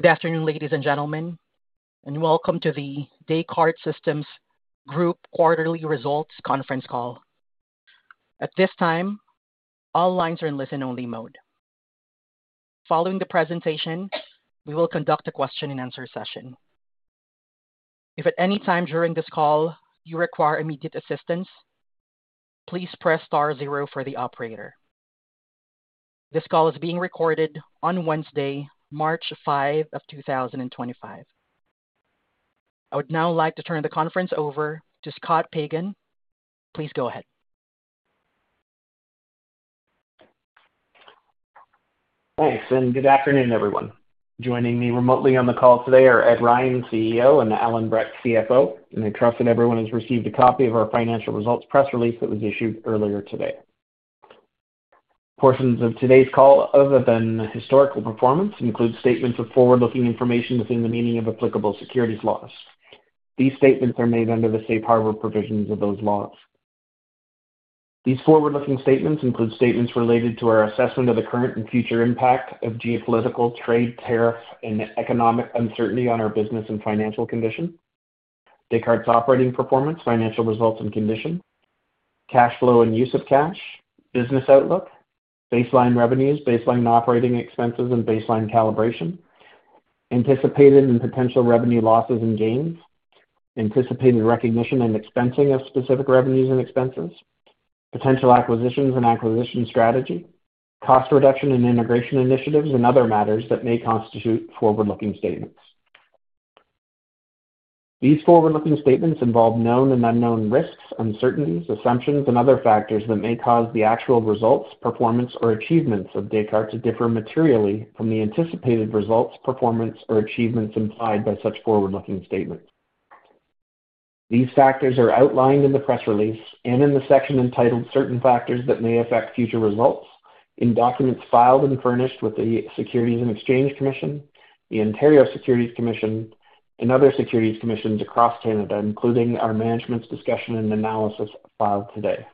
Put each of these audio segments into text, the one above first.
Good afternoon, ladies and gentlemen, and welcome to the Descartes Systems Group Quarterly Results Conference Call. At this time, all lines are in listen-only mode. Following the presentation, we will conduct a question-and-answer session. If at any time during this call you require immediate assistance, please press star zero for the operator. This call is being recorded on Wednesday, 5 March 2025. I would now like to turn the conference over to Scott Pagan. Please go ahead. Thanks, and good afternoon, everyone. Joining me remotely on the call today are Ed Ryan, CEO, and Allan Brett, CFO. And I trust that everyone has received a copy of our financial results press release that was issued earlier today. Portions of today's call, other than historical performance, include statements of forward-looking information within the meaning of applicable securities laws. These statements are made under the safe harbor provisions of those laws. These forward-looking statements include statements related to our assessment of the current and future impact of geopolitical, trade, tariff, and economic uncertainty on our business and financial condition, Descartes' operating performance, financial results and condition, cash flow and use of cash, business outlook, baseline revenues, baseline operating expenses, and baseline calibration, anticipated and potential revenue losses and gains, anticipated recognition and expensing of specific revenues and expenses, potential acquisitions and acquisition strategy, cost reduction and integration initiatives, and other matters that may constitute forward-looking statements. These forward-looking statements involve known and unknown risks, uncertainties, assumptions, and other factors that may cause the actual results, performance, or achievements of Descartes to differ materially from the anticipated results, performance, or achievements implied by such forward-looking statements. These factors are outlined in the press release and in the section entitled "Certain Factors That May Affect Future Results" in documents filed and furnished with the Securities and Exchange Commission, the Ontario Securities Commission, and other securities commissions across Canada, including our Management's Discussion and Analysis filed today.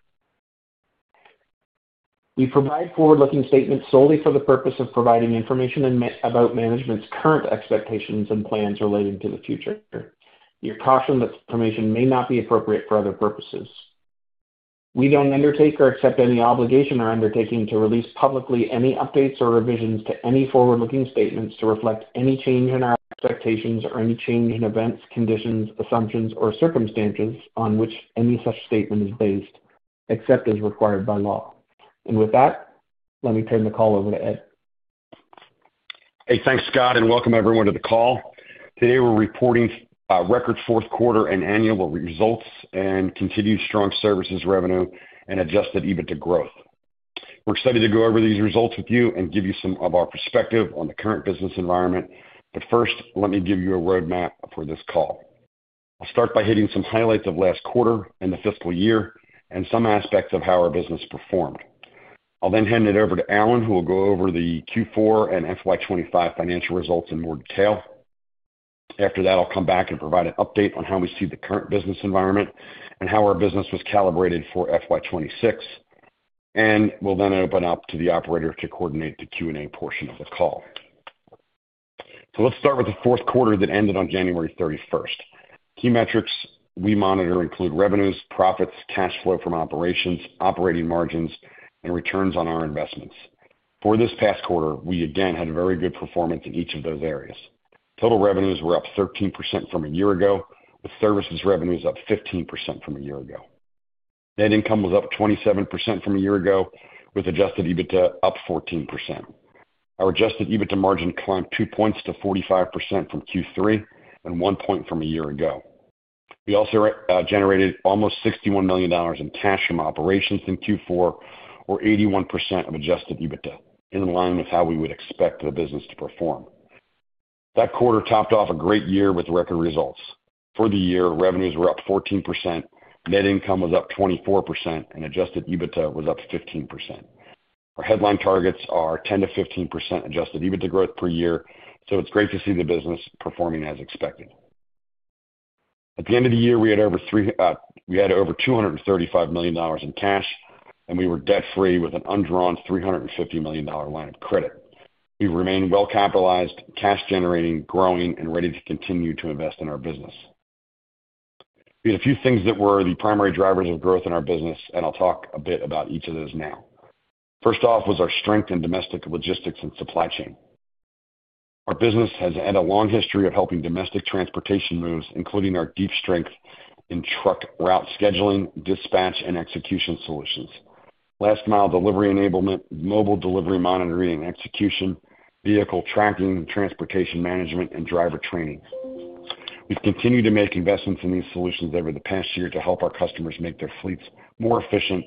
We provide forward-looking statements solely for the purpose of providing information about management's current expectations and plans relating to the future. Use caution that this information may not be appropriate for other purposes. We don't undertake or accept any obligation or undertaking to release publicly any updates or revisions to any forward-looking statements to reflect any change in our expectations or any change in events, conditions, assumptions, or circumstances on which any such statement is based, except as required by law, and with that, let me turn the call over to Ed. Hey, thanks, Scott, and welcome everyone to the call. Today we're reporting record Q4 and annual results and continued strong services revenue and Adjusted EBITDA growth. We're excited to go over these results with you and give you some of our perspective on the current business environment. But first, let me give you a roadmap for this call. I'll start by hitting some highlights of last quarter and the fiscal year and some aspects of how our business performed. I'll then hand it over to Allan, who will go over the Q4 and FY 2025 Financial Results in more detail. After that, I'll come back and provide an update on how we see the current business environment and how our business was calibrated for FY 2026, and we'll then open up to the operator to coordinate the Q&A portion of the call. So let's start with the Q4 that ended on 31 January. Key metrics we monitor include revenues, profits, cash flow from operations, operating margins, and returns on our investments. For this past quarter, we again had very good performance in each of those areas. Total revenues were up 13% from a year ago, with services revenues up 15% from a year ago. Net income was up 27% from a year ago, with Adjusted EBITDA up 14%. Our Adjusted EBITDA margin climbed two points to 45% from Q3 and one point from a year ago. We also generated almost $61 million in cash from operations in Q4, or 81% of Adjusted EBITDA, in line with how we would expect the business to perform. That quarter topped off a great year with record results. For the year, revenues were up 14%, net income was up 24%, and Adjusted EBITDA was up 15%. Our headline targets are 10%-15% Adjusted EBITDA growth per year, so it's great to see the business performing as expected. At the end of the year, we had over $235 million in cash, and we were debt-free with an undrawn $350 million line of credit. We've remained well-capitalized, cash-generating, growing, and ready to continue to invest in our business. We had a few things that were the primary drivers of growth in our business, and I'll talk a bit about each of those now. First off was our strength in domestic logistics and supply chain. Our business has had a long history of helping domestic transportation moves, including our deep strength in truck route scheduling, dispatch, and execution solutions, last-mile delivery enablement, mobile delivery monitoring and execution, vehicle tracking, transportation management, and driver training. We've continued to make investments in these solutions over the past year to help our customers make their fleets more efficient,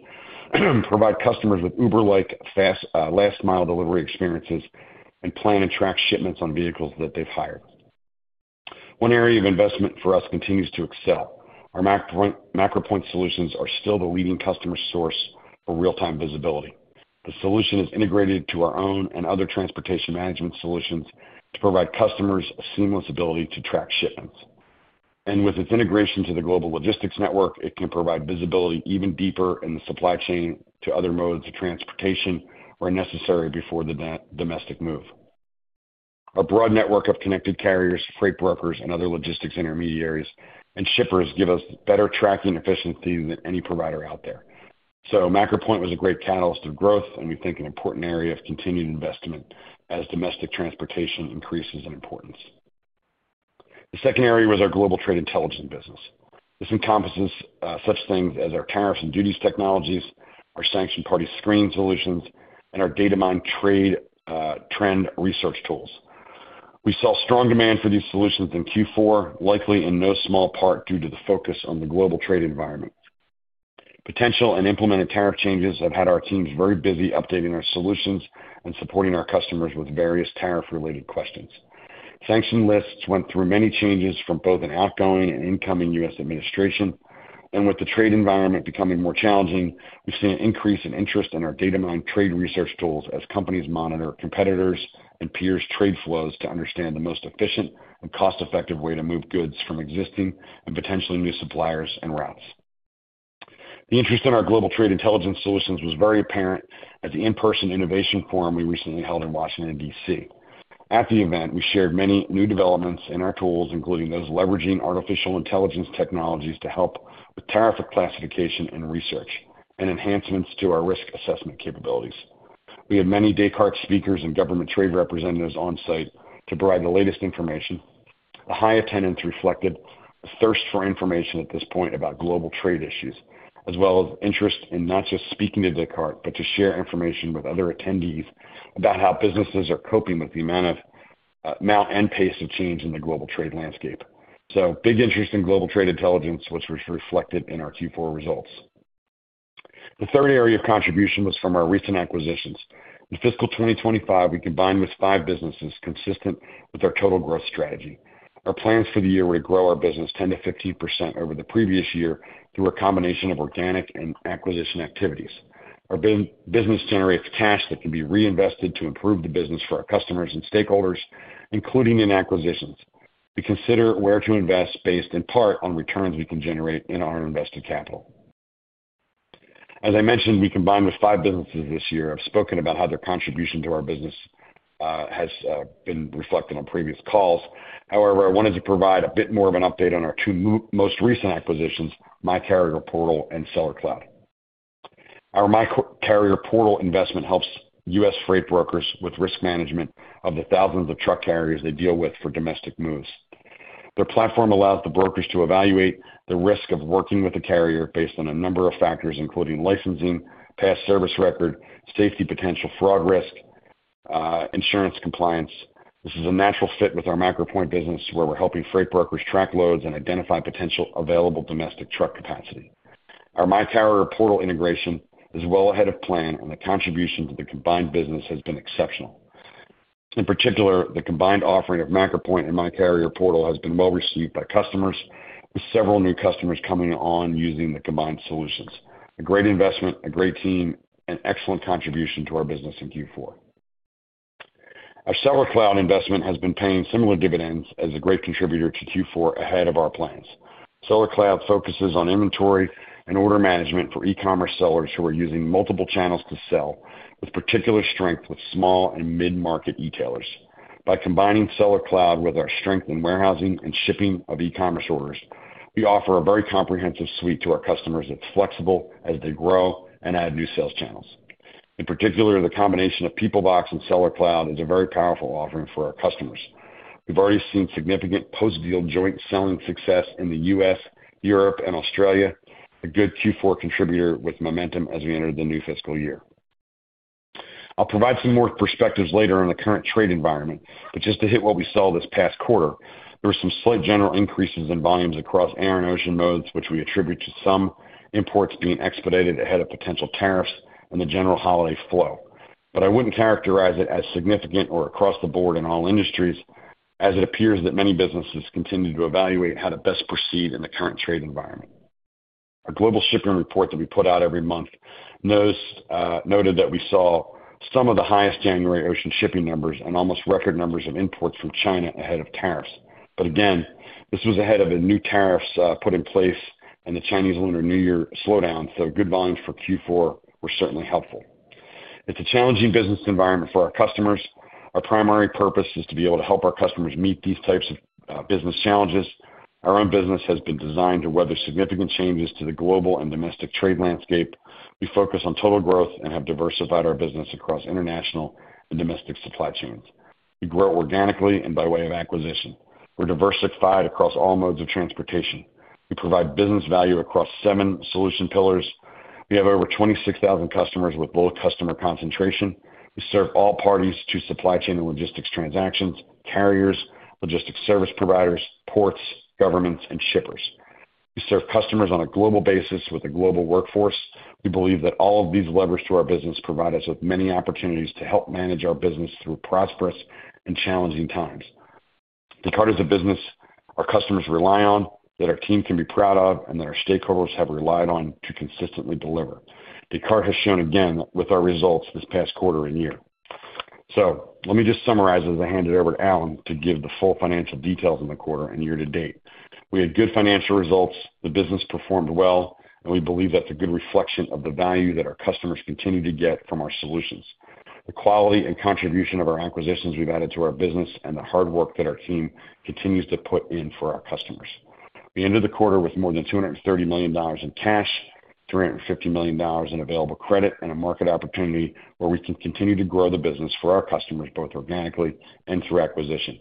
provide customers with Uber-like fast last-mile delivery experiences, and plan and track shipments on vehicles that they've hired. One area of investment for us continues to excel. Our MacroPoint solutions are still the leading customer source for real-time visibility. The solution is integrated to our own and other transportation management solutions to provide customers seamless ability to track shipments, and with its integration to the Global Logistics Network, it can provide visibility even deeper in the supply chain to other modes of transportation where necessary before the domestic move. Our broad network of connected carriers, freight brokers, and other logistics intermediaries and shippers give us better tracking efficiency than any provider out there. So MacroPoint was a great catalyst of growth, and we think an important area of continued investment as domestic transportation increases in importance. The second area was our Global Trade Intelligence business. This encompasses such things as our tariffs and duties technologies, our sanctioned party screening solutions, and our Datamyne trade trend research tools. We saw strong demand for these solutions in Q4, likely in no small part due to the focus on the global trade environment. Potential and implemented tariff changes have had our teams very busy updating our solutions and supporting our customers with various tariff-related questions. Sanctioned lists went through many changes from both an outgoing and incoming U.S. administration. And with the trade environment becoming more challenging, we've seen an increase in interest in our Datamyne trade research tools as companies monitor competitors and peers' trade flows to understand the most efficient and cost-effective way to move goods from existing and potentially new suppliers and routes. The interest in our Global Trade Intelligence solutions was very apparent at the in-person Innovation Forum we recently held in Washington, D.C. At the event, we shared many new developments in our tools, including those leveraging artificial intelligence technologies to help with tariff classification and research and enhancements to our risk assessment capabilities. We had many Descartes speakers and government trade representatives on site to provide the latest information. The high attendance reflected a thirst for information at this point about global trade issues, as well as interest in not just speaking to Descartes, but to share information with other attendees about how businesses are coping with the amount and pace of change in the global trade landscape. So big interest in Global Trade Intelligence, which was reflected in our Q4 results. The third area of contribution was from our recent acquisitions. In fiscal 2025, we combined with five businesses consistent with our total growth strategy. Our plans for the year were to grow our business 10%-15% over the previous year through a combination of organic and acquisition activities. Our business generates cash that can be reinvested to improve the business for our customers and stakeholders, including in acquisitions. We consider where to invest based in part on returns we can generate in our invested capital. As I mentioned, we combined with five businesses this year. I've spoken about how their contribution to our business has been reflected on previous calls. However, I wanted to provide a bit more of an update on our two most recent acquisitions, MyCarrierPortal and Sellercloud. Our MyCarrierPortal investment helps U.S. freight brokers with risk management of the thousands of truck carriers they deal with for domestic moves. Their platform allows the brokers to evaluate the risk of working with a carrier based on a number of factors, including licensing, past service record, safety potential, fraud risk, and insurance compliance. This is a natural fit with our MacroPoint business, where we're helping freight brokers track loads and identify potential available domestic truck capacity. Our MyCarrierPortal integration is well ahead of plan, and the contribution to the combined business has been exceptional. In particular, the combined offering of MacroPoint and MyCarrierPortal has been well received by customers, with several new customers coming on using the combined solutions. A great investment, a great team, and excellent contribution to our business in Q4. Our Sellercloud investment has been paying similar dividends as a great contributor to Q4 ahead of our plans. Sellercloud focuses on inventory and order management for e-commerce sellers who are using multiple channels to sell, with particular strength with small and mid-market retailers. By combining Sellercloud with our strength in warehousing and shipping of e-commerce orders, we offer a very comprehensive suite to our customers that's flexible as they grow and add new sales channels. In particular, the combination of Peoplevox and Sellercloud is a very powerful offering for our customers. We've already seen significant post-deal joint selling success in the U.S., Europe, and Australia, a good Q4 contributor with momentum as we enter the new fiscal year. I'll provide some more perspectives later on the current trade environment, but just to hit what we saw this past quarter, there were some slight general increases in volumes across air, rail, and ocean modes, which we attribute to some imports being expedited ahead of potential tariffs and the general holiday flow. But I wouldn't characterize it as significant or across the board in all industries, as it appears that many businesses continue to evaluate how to best proceed in the current trade environment. Our Global Shipping Report that we put out every month noted that we saw some of the highest January ocean shipping numbers and almost record numbers of imports from China ahead of tariffs. But again, this was ahead of new tariffs put in place and the Chinese Lunar New Year slowdown, so good volumes for Q4 were certainly helpful. It's a challenging business environment for our customers. Our primary purpose is to be able to help our customers meet these types of business challenges. Our own business has been designed to weather significant changes to the global and domestic trade landscape. We focus on total growth and have diversified our business across international and domestic supply chains. We grow organically and by way of acquisition. We're diversified across all modes of transportation. We provide business value across seven solution pillars. We have over 26,000 customers with low customer concentration. We serve all parties to supply chain and logistics transactions, carriers, logistics service providers, ports, governments, and shippers. We serve customers on a global basis with a global workforce. We believe that all of these levers to our business provide us with many opportunities to help manage our business through prosperous and challenging times. Descartes is a business our customers rely on, that our team can be proud of, and that our stakeholders have relied on to consistently deliver. Descartes has shown again with our results this past quarter and year. So let me just summarize as I hand it over to Allan to give the full financial details in the quarter and year to date. We had good financial results. The business performed well, and we believe that's a good reflection of the value that our customers continue to get from our solutions. The quality and contribution of our acquisitions we've added to our business and the hard work that our team continues to put in for our customers. We ended the quarter with more than $230 million in cash, $350 million in available credit, and a market opportunity where we can continue to grow the business for our customers both organically and through acquisition.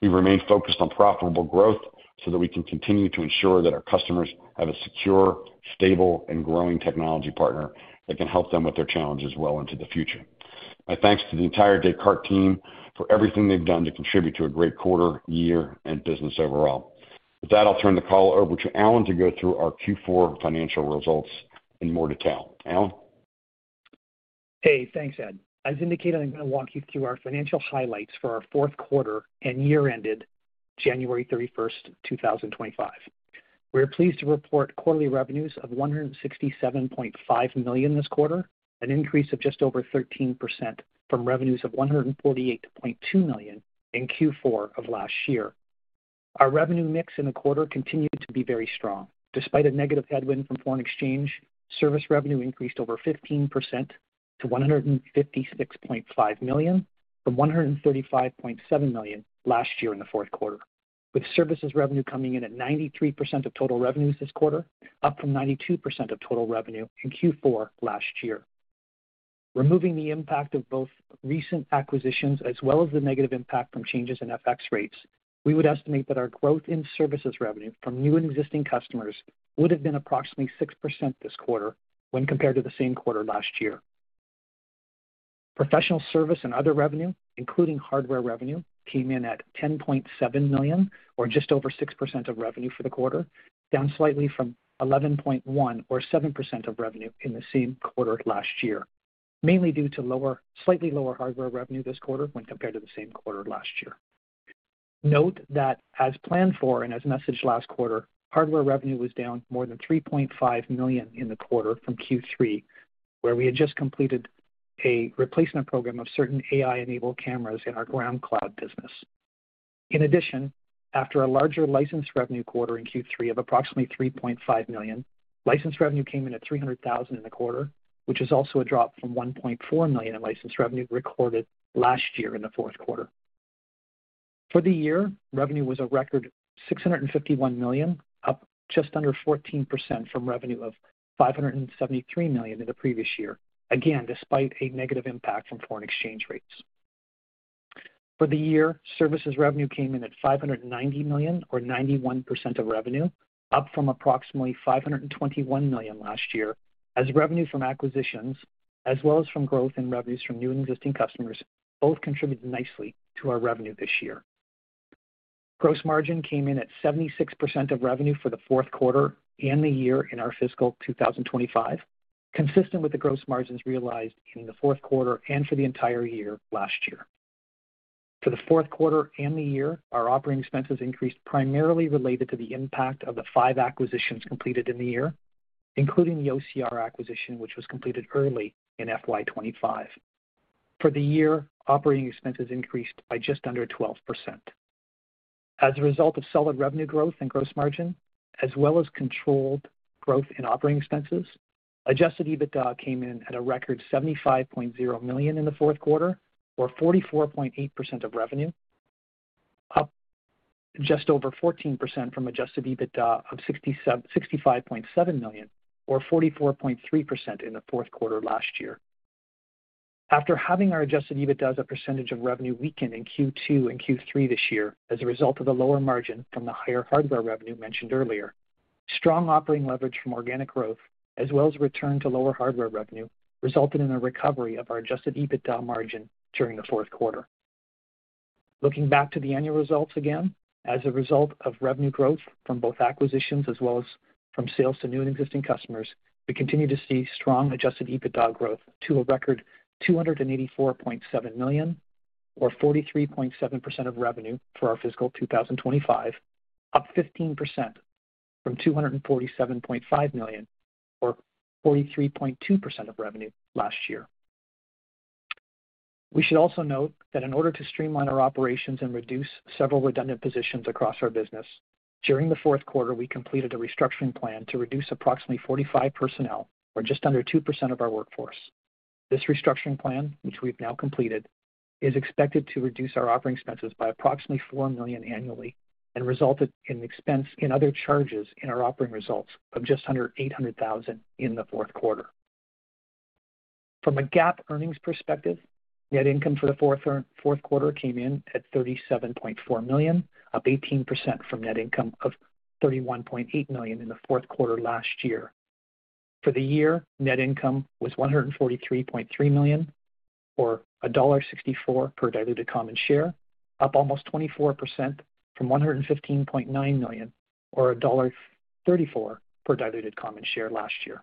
We remain focused on profitable growth so that we can continue to ensure that our customers have a secure, stable, and growing technology partner that can help them with their challenges well into the future. My thanks to the entire Descartes team for everything they've done to contribute to a great quarter, year, and business overall. With that, I'll turn the call over to Allan to go through our Q4 financial results in more detail. Allan? Hey, thanks, Ed. As indicated, I'm going to walk you through our financial highlights for our Q4 and year-ended January 31st, 2025. We're pleased to report quarterly revenues of $167.5 million this quarter, an increase of just over 13% from revenues of $148.2 million in Q4 of last year. Our revenue mix in the quarter continued to be very strong. Despite a negative headwind from foreign exchange, service revenue increased over 15% to $156.5 million, from $135.7 million last year in the Q4, with services revenue coming in at 93% of total revenues this quarter, up from 92% of total revenue in Q4 last year. Removing the impact of both recent acquisitions as well as the negative impact from changes in FX rates, we would estimate that our growth in services revenue from new and existing customers would have been approximately 6% this quarter when compared to the same quarter last year. Professional service and other revenue, including hardware revenue, came in at $10.7 million, or just over 6% of revenue for the quarter, down slightly from $11.1, or 7% of revenue in the same quarter last year, mainly due to slightly lower hardware revenue this quarter when compared to the same quarter last year. Note that, as planned for and as messaged last quarter, hardware revenue was down more than $3.5 million in the quarter from Q3, where we had just completed a replacement program of certain AI-enabled cameras in our GroundCloud business. In addition, after a larger license revenue quarter in Q3 of approximately $3.5 million, license revenue came in at $300,000 in the quarter, which is also a drop from $1.4 million in license revenue recorded last year in the Q4. For the year, revenue was a record $651 million, up just under 14% from revenue of $573 million in the previous year, again despite a negative impact from foreign exchange rates. For the year, services revenue came in at $590 million, or 91% of revenue, up from approximately $521 million last year, as revenue from acquisitions, as well as from growth in revenues from new and existing customers, both contributed nicely to our revenue this year. Gross margin came in at 76% of revenue for the Q4 and the year in our fiscal 2025, consistent with the gross margins realized in the Q4 and for the entire year last year. For the Q4 and the year, our operating expenses increased primarily related to the impact of the five acquisitions completed in the year, including the OCR acquisition, which was completed early in FY 2025. For the year, operating expenses increased by just under 12%. As a result of solid revenue growth and gross margin, as well as controlled growth in operating expenses, Adjusted EBITDA came in at a record $75.0 million in the Q4, or 44.8% of revenue, up just over 14% from Adjusted EBITDA of $65.7 million, or 44.3% in the Q4 last year. After having our Adjusted EBITDA as a percentage of revenue weaken in Q2 and Q3 this year as a result of the lower margin from the higher hardware revenue mentioned earlier, strong operating leverage from organic growth, as well as return to lower hardware revenue, resulted in a recovery of our Adjusted EBITDA margin during the Q4. Looking back to the annual results again, as a result of revenue growth from both acquisitions as well as from sales to new and existing customers, we continue to see strong Adjusted EBITDA growth to a record $284.7 million, or 43.7% of revenue for our fiscal 2025, up 15% from $247.5 million, or 43.2% of revenue last year. We should also note that in order to streamline our operations and reduce several redundant positions across our business, during the Q4, we completed a restructuring plan to reduce approximately 45 personnel, or just under 2% of our workforce. This restructuring plan, which we've now completed, is expected to reduce our operating expenses by approximately $4 million annually and resulted in other charges in our operating results of just under $800,000 in the Q4. From a GAAP earnings perspective, net income for the Q4 came in at $37.4 million, up 18% from net income of $31.8 million in the Q4 last year. For the year, net income was $143.3 million, or $1.64 per diluted common share, up almost 24% from $115.9 million, or $1.34 per diluted common share last year.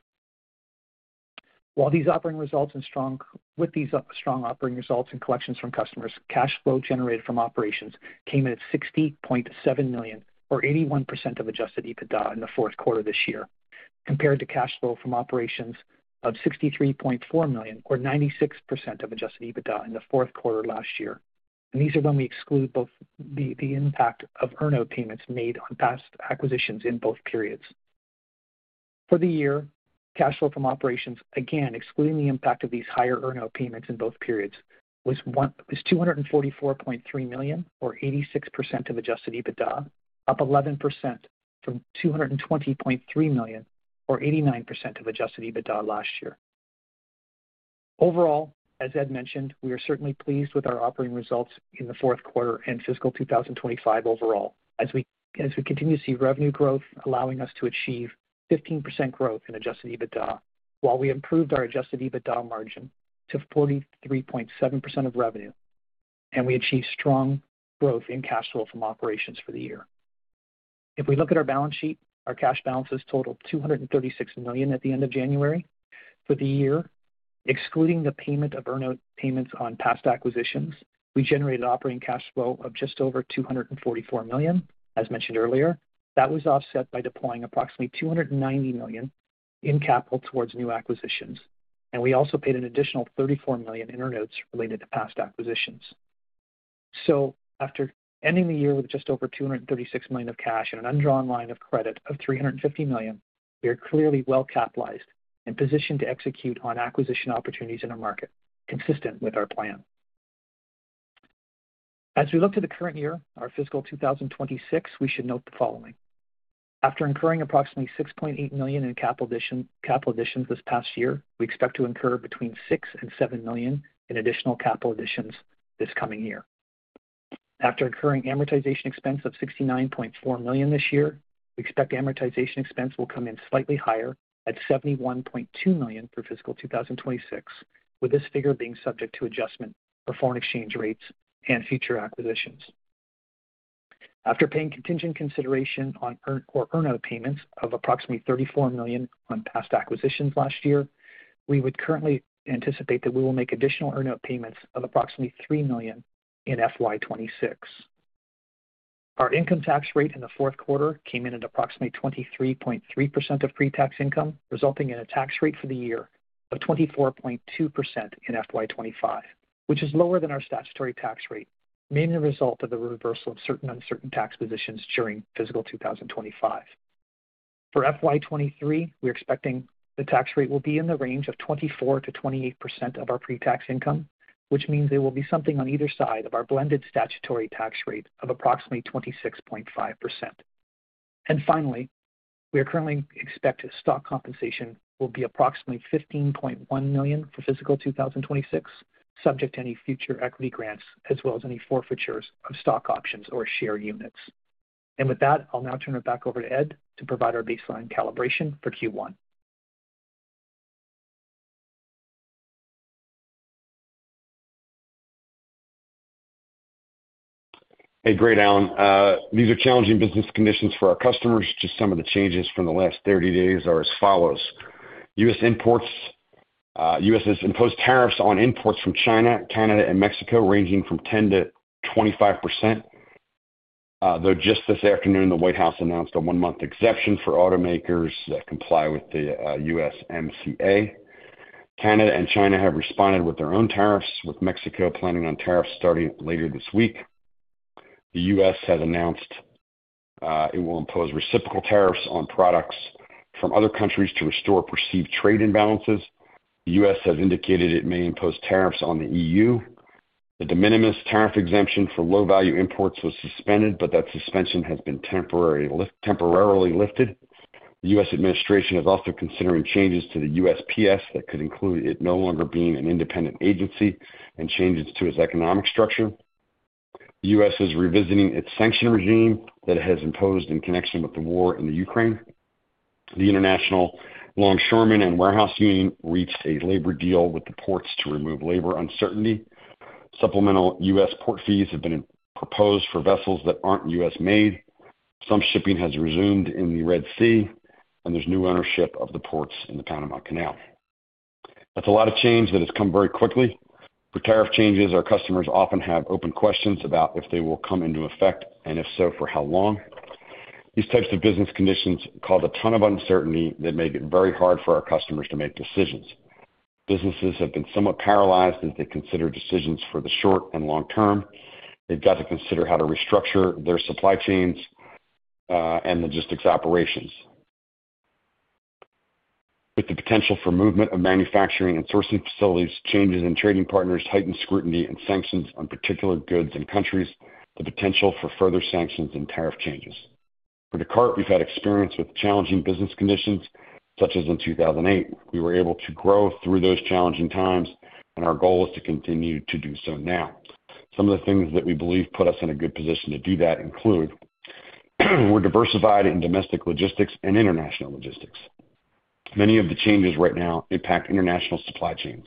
While these operating results and strong operating results and collections from customers, cash flow generated from operations came in at $60.7 million, or 81% of Adjusted EBITDA in the Q4 this year, compared to cash flow from operations of $63.4 million, or 96% of Adjusted EBITDA in the Q4 last year. These are when we exclude both the impact of earn-out payments made on past acquisitions in both periods. For the year, cash flow from operations, again excluding the impact of these higher earn-out payments in both periods, was $244.3 million, or 86% of Adjusted EBITDA, up 11% from $220.3 million, or 89% of Adjusted EBITDA last year. Overall, as Ed mentioned, we are certainly pleased with our operating results in the Q4 and fiscal 2025 overall, as we continue to see revenue growth allowing us to achieve 15% growth in adjusted EBITDA, while we improved our adjusted EBITDA margin to 43.7% of revenue, and we achieved strong growth in cash flow from operations for the year. If we look at our balance sheet, our cash balances total $236 million at the end of January. For the year, excluding the payment of earn-out payments on past acquisitions, we generated operating cash flow of just over $244 million, as mentioned earlier. That was offset by deploying approximately $290 million in capital towards new acquisitions, and we also paid an additional $34 million in earn-outs related to past acquisitions. So after ending the year with just over $236 million of cash and an undrawn line of credit of $350 million, we are clearly well-capitalized and positioned to execute on acquisition opportunities in our market, consistent with our plan. As we look to the current year, our fiscal 2026, we should note the following. After incurring approximately $6.8 million in capital additions this past year, we expect to incur between $6 and 7 million in additional capital additions this coming year. After incurring amortization expense of $69.4 million this year, we expect amortization expense will come in slightly higher at $71.2 million for fiscal 2026, with this figure being subject to adjustment for foreign exchange rates and future acquisitions. After paying contingent consideration on earn-out payments of approximately $34 million on past acquisitions last year, we would currently anticipate that we will make additional earn-out payments of approximately $3 million in FY 2026. Our income tax rate in the Q4 came in at approximately 23.3% of pre-tax income, resulting in a tax rate for the year of 24.2% in FY 2025, which is lower than our statutory tax rate, mainly a result of the reversal of certain uncertain tax positions during fiscal 2025. For FY 2023, we're expecting the tax rate will be in the range of 24% to 28% of our pre-tax income, which means there will be something on either side of our blended statutory tax rate of approximately 26.5%. And finally, we are currently expecting stock compensation will be approximately $15.1 million for fiscal 2026, subject to any future equity grants, as well as any forfeitures of stock options or share units. And with that, I'll now turn it back over to Ed to provide our baseline calibration for Q1. Hey, great, Allan. These are challenging business conditions for our customers. Just some of the changes from the last 30 days are as follows. U.S. imports. U.S. has imposed tariffs on imports from China, Canada, and Mexico, ranging from 10% to 25%. Though just this afternoon, the White House announced a one-month exemption for automakers that comply with the USMCA. Canada and China have responded with their own tariffs, with Mexico planning on tariffs starting later this week. The U.S. has announced it will impose reciprocal tariffs on products from other countries to restore perceived trade imbalances. The U.S. has indicated it may impose tariffs on the EU. The de minimis tariff exemption for low-value imports was suspended, but that suspension has been temporarily lifted. The U.S. administration is also considering changes to the USPS that could include it no longer being an independent agency and changes to its economic structure. The U.S. is revisiting its sanction regime that it has imposed in connection with the war in Ukraine. The International Longshore and Warehouse Union reached a labor deal with the ports to remove labor uncertainty. Supplemental U.S. port fees have been proposed for vessels that aren't U.S. made. Some shipping has resumed in the Red Sea, and there's new ownership of the ports in the Panama Canal. That's a lot of change that has come very quickly. For tariff changes, our customers often have open questions about if they will come into effect and if so, for how long. These types of business conditions cause a ton of uncertainty that make it very hard for our customers to make decisions. Businesses have been somewhat paralyzed as they consider decisions for the short and long term. They've got to consider how to restructure their supply chains and logistics operations. With the potential for movement of manufacturing and sourcing facilities, changes in trading partners heighten scrutiny and sanctions on particular goods and countries, the potential for further sanctions and tariff changes. For Descartes, we've had experience with challenging business conditions, such as in 2008. We were able to grow through those challenging times, and our goal is to continue to do so now. Some of the things that we believe put us in a good position to do that include we're diversified in domestic logistics and international logistics. Many of the changes right now impact international supply chains.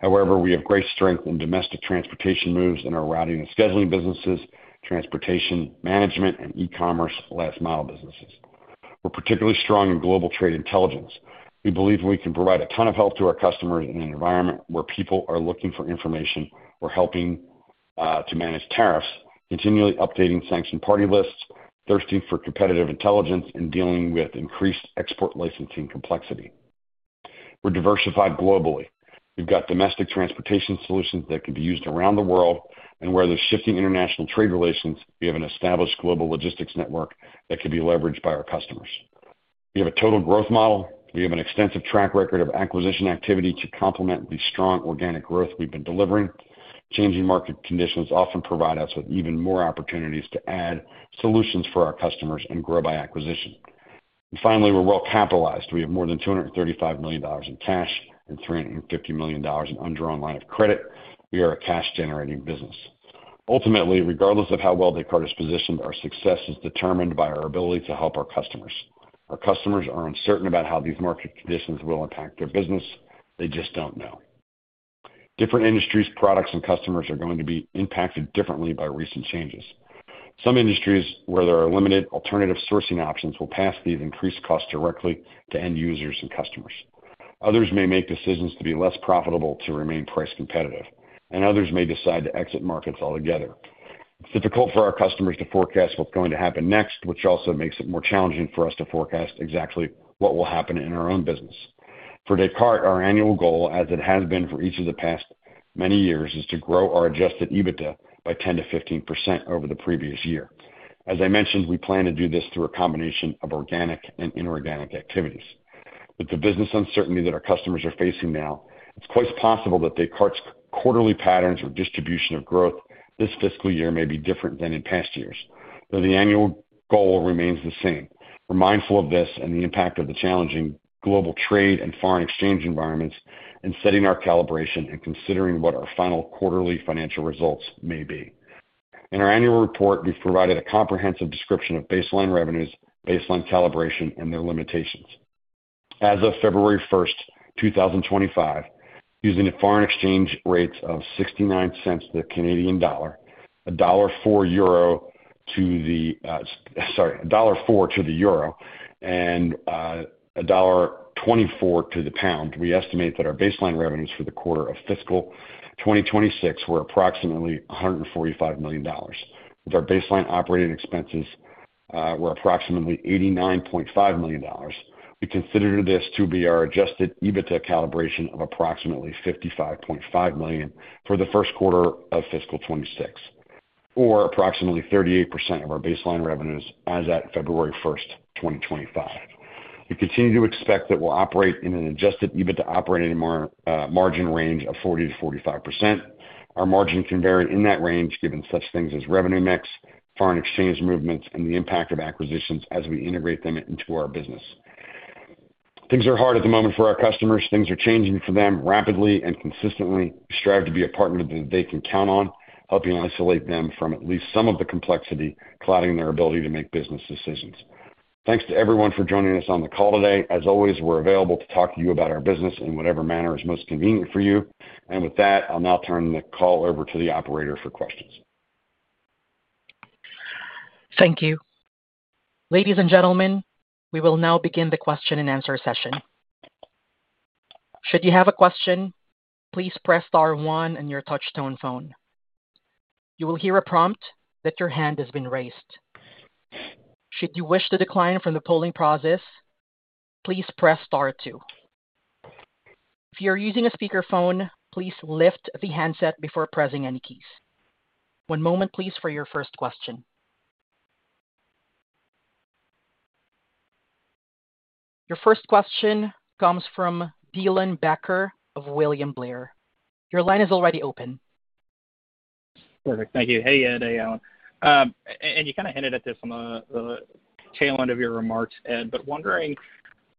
However, we have great strength in domestic transportation moves and our routing and scheduling businesses, transportation management, and e-commerce last-mile businesses. We're particularly strong in Global Trade Intelligence. We believe we can provide a ton of help to our customers in an environment where people are looking for information or helping to manage tariffs, continually updating sanctioned party lists, thirsting for competitive intelligence, and dealing with increased export licensing complexity. We're diversified globally. We've got domestic transportation solutions that can be used around the world, and where there's shifting international trade relations, we have an established Global Logistics Network that can be leveraged by our customers. We have a total growth model. We have an extensive track record of acquisition activity to complement the strong organic growth we've been delivering. Changing market conditions often provide us with even more opportunities to add solutions for our customers and grow by acquisition. And finally, we're well-capitalized. We have more than $235 million in cash and $350 million in undrawn line of credit. We are a cash-generating business. Ultimately, regardless of how well Descartes is positioned, our success is determined by our ability to help our customers. Our customers are uncertain about how these market conditions will impact their business. They just don't know. Different industries, products, and customers are going to be impacted differently by recent changes. Some industries where there are limited alternative sourcing options will pass these increased costs directly to end users and customers. Others may make decisions to be less profitable to remain price competitive, and others may decide to exit markets altogether. It's difficult for our customers to forecast what's going to happen next, which also makes it more challenging for us to forecast exactly what will happen in our own business. For Descartes, our annual goal, as it has been for each of the past many years, is to grow our Adjusted EBITDA by 10% to 15% over the previous year. As I mentioned, we plan to do this through a combination of organic and inorganic activities. With the business uncertainty that our customers are facing now, it's quite possible that Descartes' quarterly patterns or distribution of growth this fiscal year may be different than in past years, though the annual goal remains the same. We're mindful of this and the impact of the challenging global trade and foreign exchange environments in setting our calibration and considering what our final quarterly financial results may be. In our annual report, we've provided a comprehensive description of baseline revenues, baseline calibration, and their limitations. As of 1 February 2025, using the foreign exchange rates of $0.69 to the Canadian dollar, $1.04 EUR to the, sorry, $1.04 to the EUR and $1.24 to the pound, we estimate that our baseline revenues for the quarter of fiscal 2026 were approximately $145 million. With our baseline operating expenses were approximately $89.5 million, we consider this to be our Adjusted EBITDA calibration of approximately $55.5 million for the Q1 of fiscal 26, or approximately 38% of our baseline revenues as at 1 February 2025. We continue to expect that we'll operate in an Adjusted EBITDA operating margin range of 40% to 45%. Our margin can vary in that range given such things as revenue mix, foreign exchange movements, and the impact of acquisitions as we integrate them into our business. Things are hard at the moment for our customers. Things are changing for them rapidly and consistently. We strive to be a partner that they can count on, helping isolate them from at least some of the complexity clouding their ability to make business decisions. Thanks to everyone for joining us on the call today. As always, we're available to talk to you about our business in whatever manner is most convenient for you. And with that, I'll now turn the call over to the operator for questions. Thank you. Ladies and gentlemen, we will now begin the question-and-answer session. Should you have a question, please press star one on your touch-tone phone. You will hear a prompt that your hand has been raised. Should you wish to decline from the polling process, please press star two. If you're using a speakerphone, please lift the handset before pressing any keys. One moment, please, for your first question. Your first question comes from Dylan Becker of William Blair. Your line is already open. Perfect. Thank you. Hey, Ed. Hey, Allan. And you kind of hinted at this on the tail end of your remarks, Ed, but wondering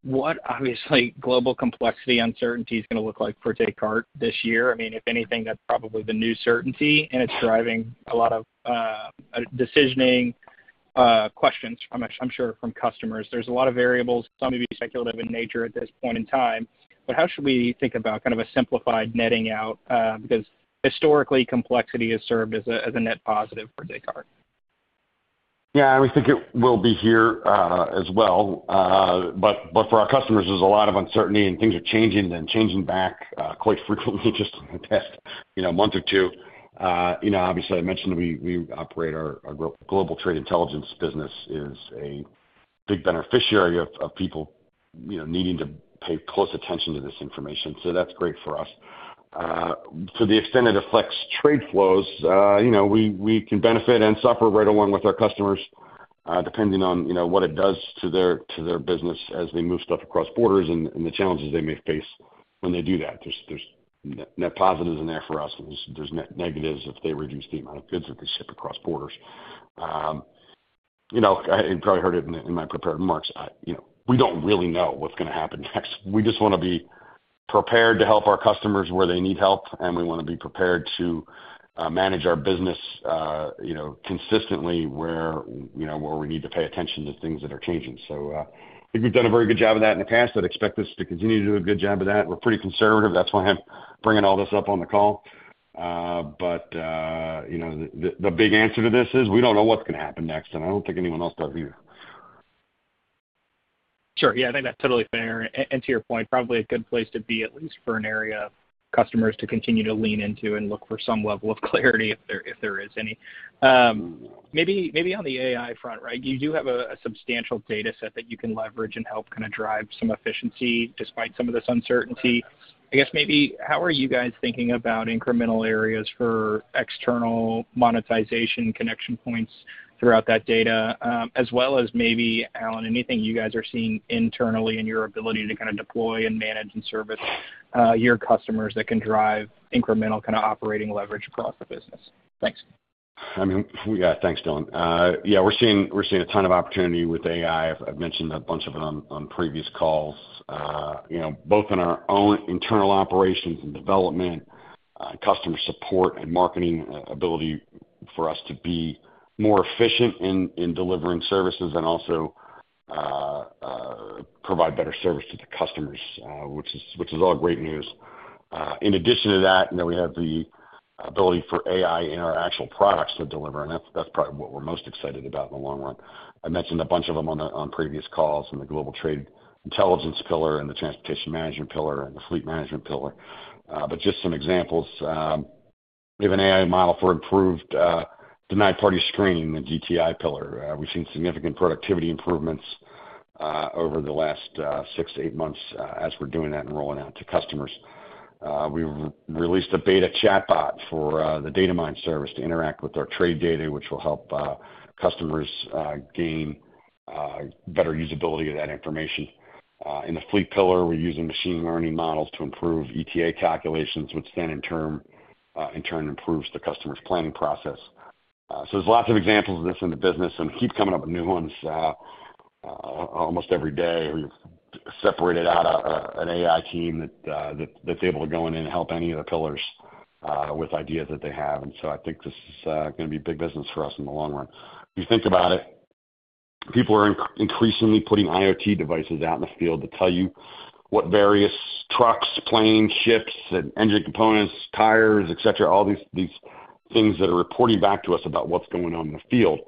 what obviously global complexity uncertainty is going to look like for Descartes this year. I mean, if anything, that's probably the new certainty, and it's driving a lot of decisioning questions, I'm sure, from customers. There's a lot of variables, some may be speculative in nature at this point in time. But how should we think about kind of a simplified netting out? Because historically, complexity has served as a net positive for Descartes. Yeah, and we think it will be here as well. But for our customers, there's a lot of uncertainty, and things are changing and changing back quite frequently just in the past month or two. Obviously, I mentioned we operate our Global Trade Intelligence business as a big beneficiary of people needing to pay close attention to this information. So that's great for us. To the extent it affects trade flows, we can benefit and suffer right along with our customers, depending on what it does to their business as they move stuff across borders and the challenges they may face when they do that. There's net positives in there for us, and there's net negatives if they reduce the amount of goods that they ship across borders. You probably heard it in my prepared remarks. We don't really know what's going to happen next. We just want to be prepared to help our customers where they need help, and we want to be prepared to manage our business consistently where we need to pay attention to things that are changing. So I think we've done a very good job of that in the past. I'd expect us to continue to do a good job of that. We're pretty conservative. That's why I'm bringing all this up on the call. But the big answer to this is we don't know what's going to happen next, and I don't think anyone else does either. Sure. Yeah, I think that's totally fair. And to your point, probably a good place to be, at least for an area of customers to continue to lean into and look for some level of clarity if there is any. Maybe on the AI front, right? You do have a substantial dataset that you can leverage and help kind of drive some efficiency despite some of this uncertainty. I guess maybe how are you guys thinking about incremental areas for external monetization connection points throughout that data, as well as maybe, Allan, anything you guys are seeing internally in your ability to kind of deploy and manage and service your customers that can drive incremental kind of operating leverage across the business? Thanks. I mean, yeah, thanks, Dylan. Yeah, we're seeing a ton of opportunity with AI. I've mentioned a bunch of them on previous calls, both in our own internal operations and development, customer support, and marketing ability for us to be more efficient in delivering services and also provide better service to the customers, which is all great news. In addition to that, we have the ability for AI in our actual products to deliver, and that's probably what we're most excited about in the long run. I mentioned a bunch of them on previous calls and the Global Trade Intelligence pillar and the transportation management pillar and the fleet management pillar. But just some examples. We have an AI model for improved denied party screening and GTI pillar. We've seen significant productivity improvements over the last six to eight months as we're doing that and rolling out to customers. We've released a beta chatbot for the Datamyne service to interact with our trade data, which will help customers gain better usability of that information. In the fleet pillar, we're using machine learning models to improve ETA calculations, which then in turn improves the customer's planning process. So there's lots of examples of this in the business, and we keep coming up with new ones almost every day. We've separated out an AI team that's able to go in and help any of the pillars with ideas that they have. And so I think this is going to be big business for us in the long run. If you think about it, people are increasingly putting IoT devices out in the field to tell you what various trucks, planes, ships, and engine components, tires, etc., all these things that are reporting back to us about what's going on in the field.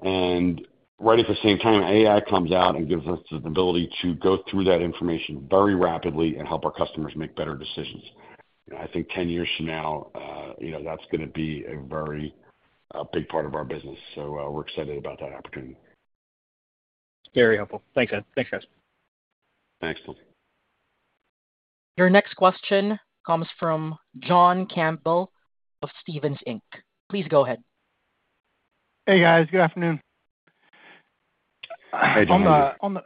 And right at the same time, AI comes out and gives us the ability to go through that information very rapidly and help our customers make better decisions. I think 10 years from now, that's going to be a very big part of our business. So we're excited about that opportunity. Very helpful. Thanks, Ed. Thanks, guys. Thanks, Dylan. Your next question comes from John Campbell of Stephens Inc. Please go ahead. Hey, guys. Good afternoon. Hey, John. How are you?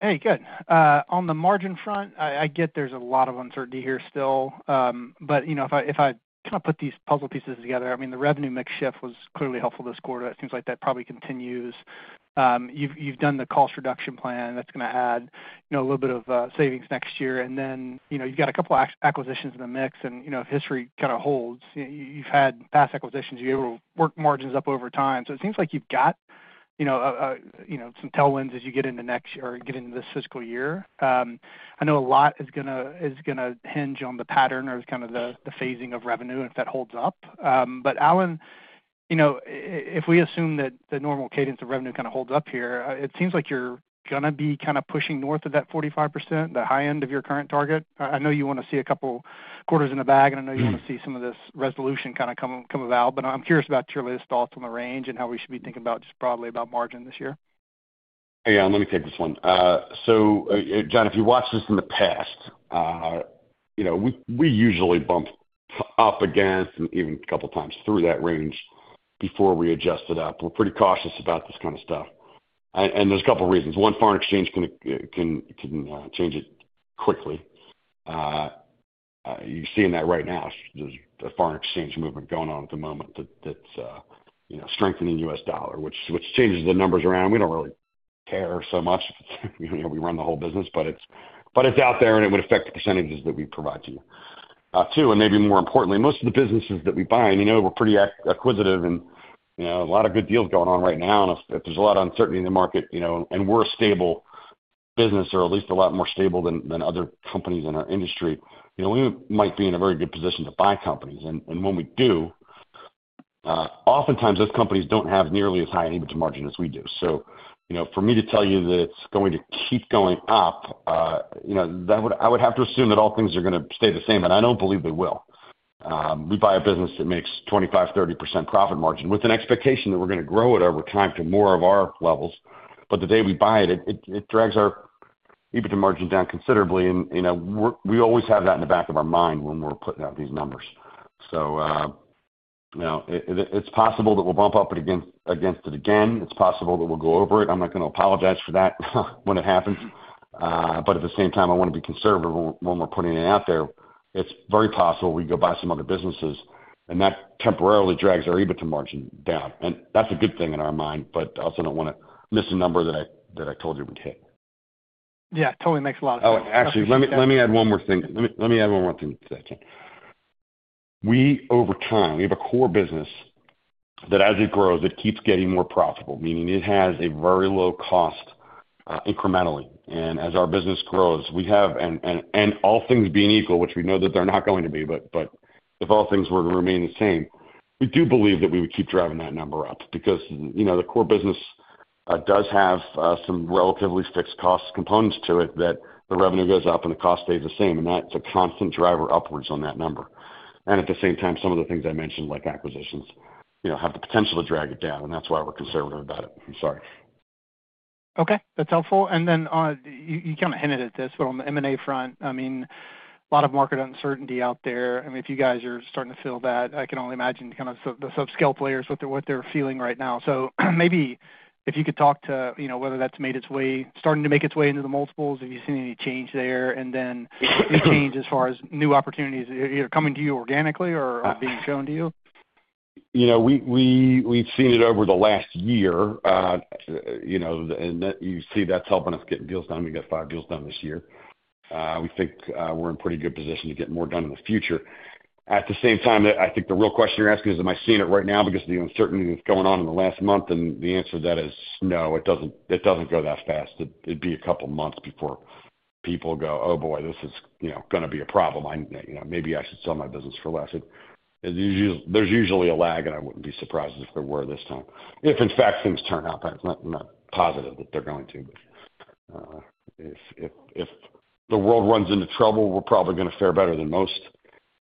Hey, good. On the margin front, I get there's a lot of uncertainty here still, but if I kind of put these puzzle pieces together, I mean, the revenue mix shift was clearly helpful this quarter. It seems like that probably continues. You've done the cost reduction plan. That's going to add a little bit of savings next year. And then you've got a couple of acquisitions in the mix, and if history kind of holds, you've had past acquisitions, you're able to work margins up over time. So it seems like you've got some tailwinds as you get into next or get into this fiscal year. I know a lot is going to hinge on the pattern or kind of the phasing of revenue if that holds up, but Allan, if we assume that the normal cadence of revenue kind of holds up here, it seems like you're going to be kind of pushing north of that 45%, the high end of your current target. I know you want to see a couple of quarters in the bag, and I know you want to see some of this resolution kind of come about, but I'm curious about your latest thoughts on the range and how we should be thinking about just broadly about margin this year. Yeah, let me take this one, so, John, if you watched this in the past, we usually bump up against and even a couple of times through that range before we adjust it up. We're pretty cautious about this kind of stuff, and there's a couple of reasons. One, foreign exchange can change it quickly. You're seeing that right now. There's a foreign exchange movement going on at the moment that's strengthening the U.S. dollar, which changes the numbers around. We don't really care so much. We run the whole business, but it's out there, and it would affect the percentages that we provide to you. Two, and maybe more importantly, most of the businesses that we buy, we're pretty acquisitive, and a lot of good deals going on right now, and if there's a lot of uncertainty in the market and we're a stable business, or at least a lot more stable than other companies in our industry, we might be in a very good position to buy companies. When we do, oftentimes, those companies don't have nearly as high an EBITDA margin as we do. For me to tell you that it's going to keep going up, I would have to assume that all things are going to stay the same, and I don't believe they will. We buy a business that makes 25%, 30% profit margin with an expectation that we're going to grow it over time to more of our levels. The day we buy it, it drags our EBITDA margin down considerably. We always have that in the back of our mind when we're putting out these numbers. It's possible that we'll bump up against it again. It's possible that we'll go over it. I'm not going to apologize for that when it happens. At the same time, I want to be conservative when we're putting it out there. It's very possible we go buy some other businesses, and that temporarily drags our EBITDA margin down, and that's a good thing in our mind, but I also don't want to miss a number that I told you we'd hit. Yeah, totally makes a lot of sense. Oh, actually, let me add one more thing to that. Over time, we have a core business that as it grows, it keeps getting more profitable, meaning it has a very low cost incrementally. As our business grows, we have, and all things being equal, which we know that they're not going to be, but if all things were to remain the same, we do believe that we would keep driving that number up because the core business does have some relatively fixed cost components to it that the revenue goes up and the cost stays the same. And that's a constant driver upwards on that number. And at the same time, some of the things I mentioned, like acquisitions, have the potential to drag it down, and that's why we're conservative about it. I'm sorry. Okay. That's helpful. And then you kind of hinted at this, but on the M&A front, I mean, a lot of market uncertainty out there. I mean, if you guys are starting to feel that, I can only imagine kind of the subscale players with what they're feeling right now. So maybe if you could talk to whether that's made its way, starting to make its way into the multiples, if you've seen any change there, and then any change as far as new opportunities either coming to you organically or being shown to you? We've seen it over the last year, and you see that's helping us get deals done. We got five deals done this year. We think we're in a pretty good position to get more done in the future. At the same time, I think the real question you're asking is, am I seeing it right now because of the uncertainty that's going on in the last month? And the answer to that is no, it doesn't go that fast. It'd be a couple of months before people go, "Oh, boy, this is going to be a problem. Maybe I should sell my business for less." There's usually a lag, and I wouldn't be surprised if there were this time. If, in fact, things turn out, I'm not positive that they're going to. But if the world runs into trouble, we're probably going to fare better than most.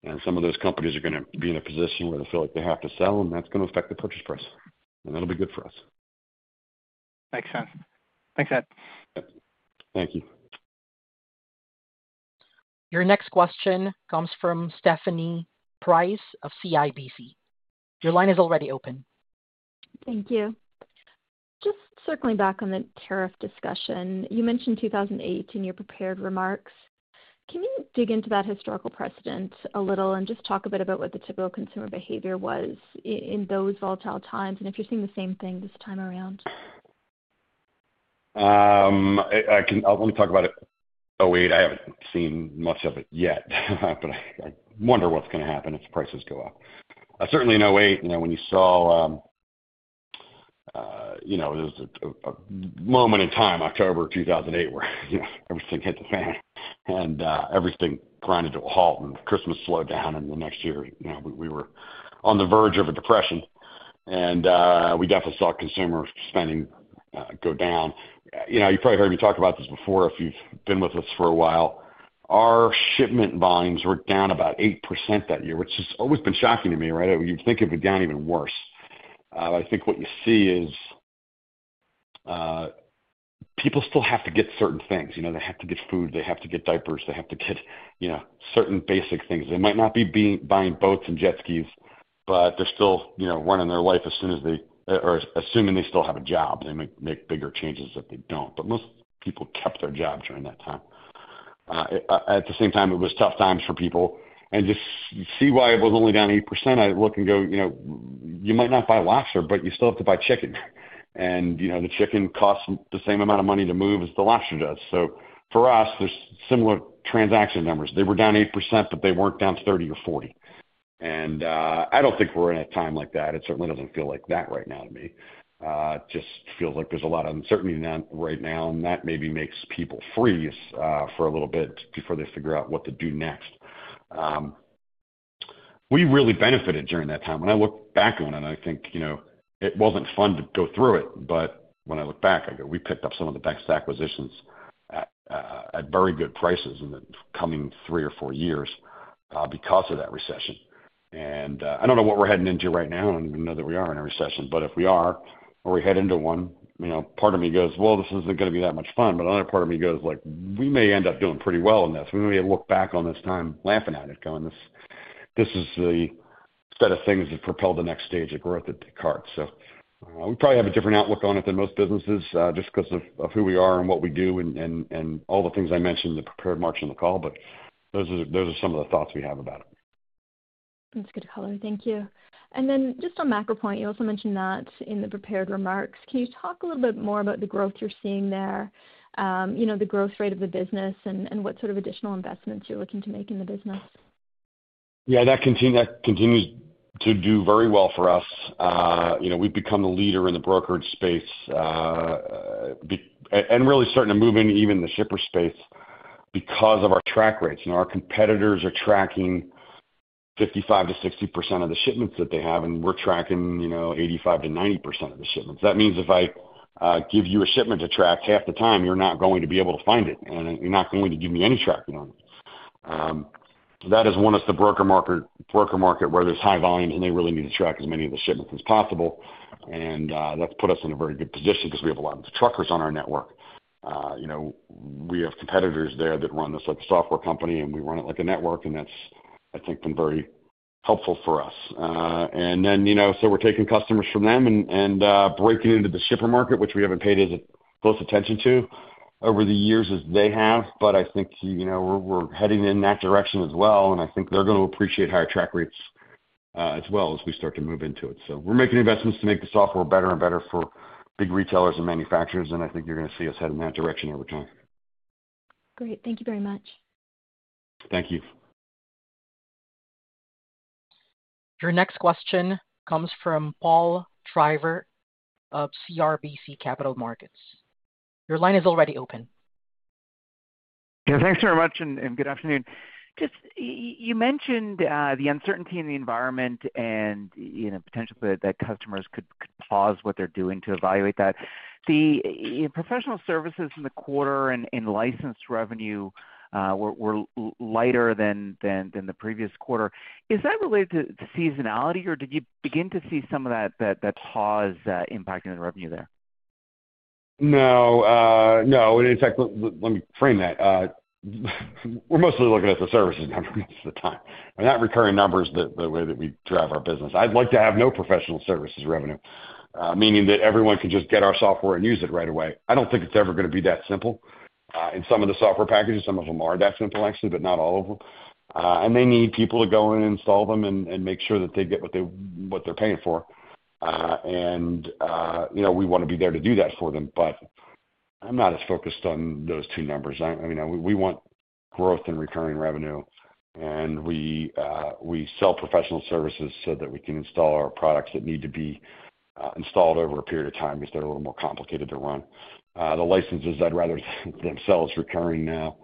And some of those companies are going to be in a position where they feel like they have to sell, and that's going to affect the purchase price. And that'll be good for us. Makes sense. Thanks, Ed. Thank you. Your next question comes from Stephanie Price of CIBC. Your line is already open. Thank you. Just circling back on the tariff discussion, you mentioned 2008 in your prepared remarks. Can you dig into that historical precedent a little and just talk a bit about what the typical consumer behavior was in those volatile times? And if you're seeing the same thing this time around? Let me talk about it. 2008, I haven't seen much of it yet, but I wonder what's going to happen if prices go up. Certainly in 2008, when you saw there was a moment in time, October 2008, where everything hit the fan and everything grinded to a halt, and Christmas slowed down, and the next year, we were on the verge of a depression. And we definitely saw consumer spending go down. You've probably heard me talk about this before if you've been with us for a while. Our shipment volumes were down about 8% that year, which has always been shocking to me, right? You'd think it would be down even worse. I think what you see is people still have to get certain things. They have to get food. They have to get diapers. They have to get certain basic things. They might not be buying boats and jet skis, but they're still running their life as soon as they, or assuming they still have a job. They might make bigger changes if they don't. But most people kept their job during that time. At the same time, it was tough times for people. And to see why it was only down 8%, I look and go, "You might not buy lobster, but you still have to buy chicken." And the chicken costs the same amount of money to move as the lobster does. So for us, there's similar transaction numbers. They were down 8%, but they weren't down 30% or 40%. And I don't think we're in a time like that. It certainly doesn't feel like that right now to me. It just feels like there's a lot of uncertainty right now, and that maybe makes people freeze for a little bit before they figure out what to do next. We really benefited during that time. When I look back on it, I think it wasn't fun to go through it, but when I look back, I go, "We picked up some of the best acquisitions at very good prices in the coming three or four years because of that recession." And I don't know what we're heading into right now. I don't even know that we are in a recession, but if we are or we head into one, part of me goes, "Well, this isn't going to be that much fun." But another part of me goes, "We may end up doing pretty well in this. We may look back on this time laughing at it, going, "This is the set of things that propelled the next stage of growth at Descartes." So we probably have a different outlook on it than most businesses just because of who we are and what we do and all the things I mentioned in the prepared remarks in the call, but those are some of the thoughts we have about it. That's good color. Thank you. And then just on MacroPoint, you also mentioned that in the prepared remarks. Can you talk a little bit more about the growth you're seeing there, the growth rate of the business, and what sort of additional investments you're looking to make in the business? Yeah, that continues to do very well for us. We've become the leader in the brokerage space and really starting to move into even the shipper space because of our track rates. Our competitors are tracking 55% to 60% of the shipments that they have, and we're tracking 85% to 90% of the shipments. That means if I give you a shipment to track half the time, you're not going to be able to find it, and you're not going to give me any tracking on it. That has won us the broker market where there's high volumes, and they really need to track as many of the shipments as possible. And that's put us in a very good position because we have a lot of truckers on our network. We have competitors there that run this like a software company, and we run it like a network, and that's, I think, been very helpful for us. And then, so we're taking customers from them and breaking into the shipper market, which we haven't paid as close attention to over the years as they have. But I think we're heading in that direction as well, and I think they're going to appreciate higher track rates as well as we start to move into it. So we're making investments to make the software better and better for big retailers and manufacturers, and I think you're going to see us head in that direction every time. Great. Thank you very much. Thank you. Your next question comes from Paul Treiber of RBC Capital Markets. Your line is already open. Yeah, thanks very much and good afternoon. You mentioned the uncertainty in the environment and potentially that customers could pause what they're doing to evaluate that. The professional services in the quarter and licensed revenue were lighter than the previous quarter. Is that related to seasonality, or did you begin to see some of that pause impacting the revenue there? No. No. And in fact, let me frame that. We're mostly looking at the services numbers most of the time. We're not recurring numbers the way that we drive our business. I'd like to have no professional services revenue, meaning that everyone can just get our software and use it right away. I don't think it's ever going to be that simple. And some of the software packages, some of them are that simple, actually, but not all of them. And they need people to go and install them and make sure that they get what they're paying for. And we want to be there to do that for them, but I'm not as focused on those two numbers. I mean, we want growth and recurring revenue, and we sell professional services so that we can install our products that need to be installed over a period of time because they're a little more complicated to run. The licenses, I'd rather themselves recurring now,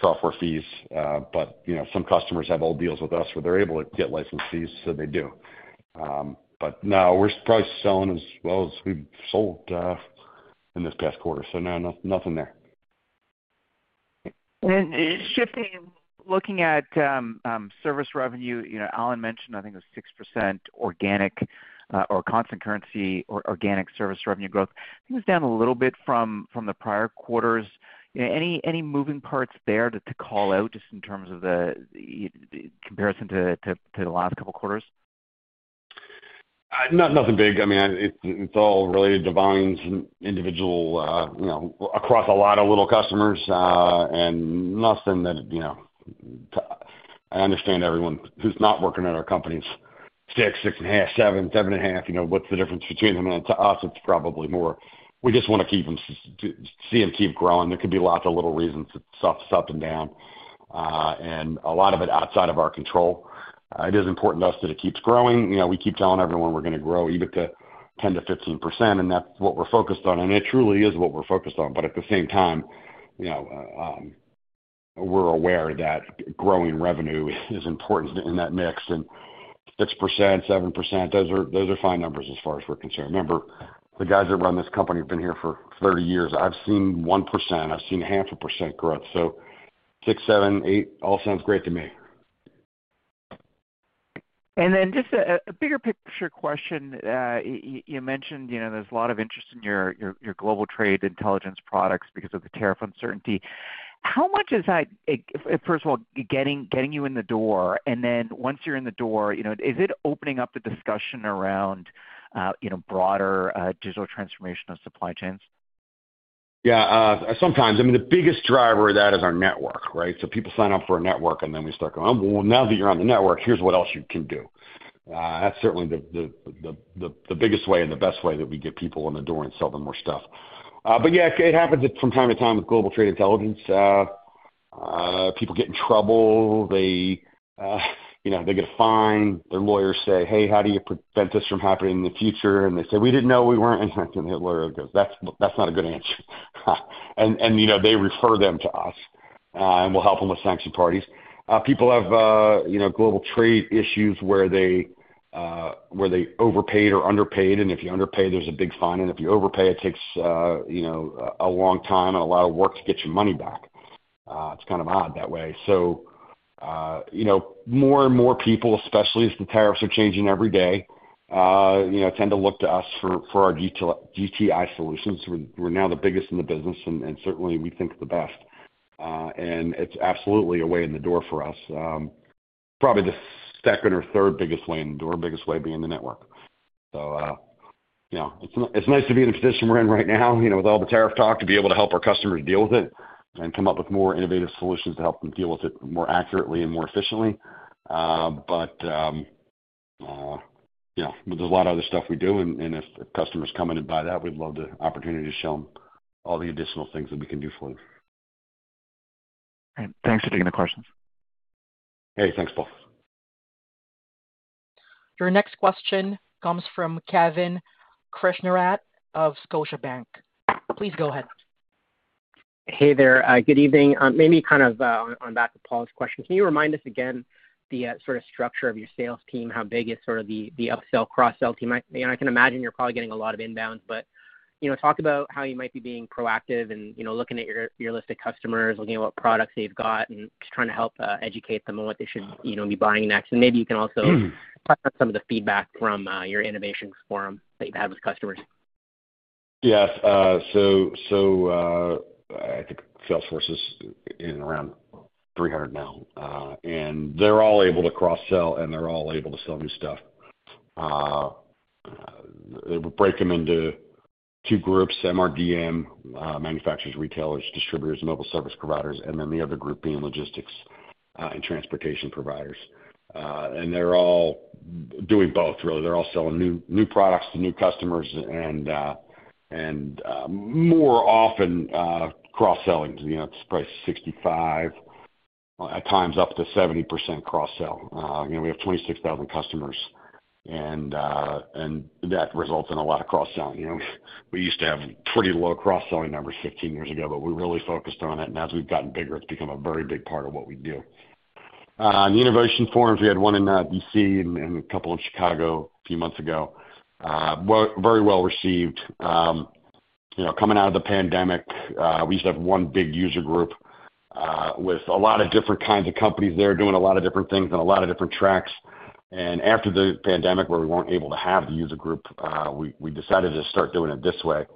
software fees. But some customers have old deals with us where they're able to get license fees, so they do. But no, we're probably selling as well as we've sold in this past quarter. So no, nothing there. And shifting, looking at service revenue, Allan mentioned, I think it was 6% organic or constant currency or organic service revenue growth. I think it's down a little bit from the prior quarters. Any moving parts there to call out just in terms of the comparison to the last couple of quarters? Nothing big. I mean, it's all related to volumes and individual across a lot of little customers and nothing that I understand. Everyone who's not working at our companies - 6, 6.5, 7, 7.5. What's the difference between them and us? It's probably more we just want to keep them to see them keep growing. There could be lots of little reasons that stuff's up and down, and a lot of it outside of our control. It is important to us that it keeps growing. We keep telling everyone we're going to grow EBITDA 10% to 15%, and that's what we're focused on. And it truly is what we're focused on. But at the same time, we're aware that growing revenue is important in that mix. And 6%, 7%, those are fine numbers as far as we're concerned. Remember, the guys that run this company have been here for 30 years. I've seen 1%. I've seen a 0.5% growth. So 6%, 7%, 8%, all sounds great to me. And then just a bigger picture question. You mentioned there's a lot of interest in your Global Trade Intelligence products because of the tariff uncertainty. How much is that, first of all, getting you in the door? And then once you're in the door, is it opening up the discussion around broader digital transformation of supply chains? Yeah, sometimes. I mean, the biggest driver of that is our network, right? So people sign up for a network, and then we start going, "Oh, well, now that you're on the network, here's what else you can do." That's certainly the biggest way and the best way that we get people in the door and sell them more stuff. But yeah, it happens from time to time with Global Trade Intelligence. People get in trouble. They get a fine. Their lawyers say, "Hey, how do you prevent this from happening in the future?" And they say, "We didn't know we weren't." And the lawyer goes, "That's not a good answer." And they refer them to us, and we'll help them with sanctioned parties. People have global trade issues where they overpaid or underpaid. And if you underpay, there's a big fine. And if you overpay, it takes a long time and a lot of work to get your money back. It's kind of odd that way. So more and more people, especially as the tariffs are changing every day, tend to look to us for our GTI solutions. We're now the biggest in the business, and certainly, we think the best. And it's absolutely a way in the door for us. Probably the second or third biggest way in the door, biggest way being the network. So it's nice to be in the position we're in right now with all the tariff talk to be able to help our customers deal with it and come up with more innovative solutions to help them deal with it more accurately and more efficiently. But there's a lot of other stuff we do, and if customers come in and buy that, we'd love the opportunity to show them all the additional things that we can do for them. Thanks for taking the questions. Hey, thanks, Paul. Your next question comes from Kevin Krishnaratne of Scotiabank. Please go ahead. Hey there. Good evening. Maybe kind of on back of Paul's question, can you remind us again the sort of structure of your sales team, how big is sort of the upsell, cross-sell team? I can imagine you're probably getting a lot of inbound, but talk about how you might be being proactive and looking at your list of customers, looking at what products they've got, and just trying to help educate them on what they should be buying next. And maybe you can also talk about some of the feedback from your Innovation Forum that you've had with customers. Yes. I think sales force is in and around 300 now, and they're all able to cross-sell, and they're all able to sell new stuff. We break them into two groups: MRDM, manufacturers, retailers, distributors, mobile service providers, and then the other group being logistics and transportation providers. And they're all doing both, really. They're all selling new products to new customers and more often cross-selling. It's probably 65%, at times up to 70% cross-sell. We have 26,000 customers, and that results in a lot of cross-selling. We used to have pretty low cross-selling numbers 15 years ago, but we really focused on it. And as we've gotten bigger, it's become a very big part of what we do. The Innovation Forum, we had one in DC and a couple in Chicago a few months ago. Very well received. Coming out of the pandemic, we used to have one big user group with a lot of different kinds of companies there doing a lot of different things and a lot of different tracks. After the pandemic, where we weren't able to have the user group, we decided to start doing it this way,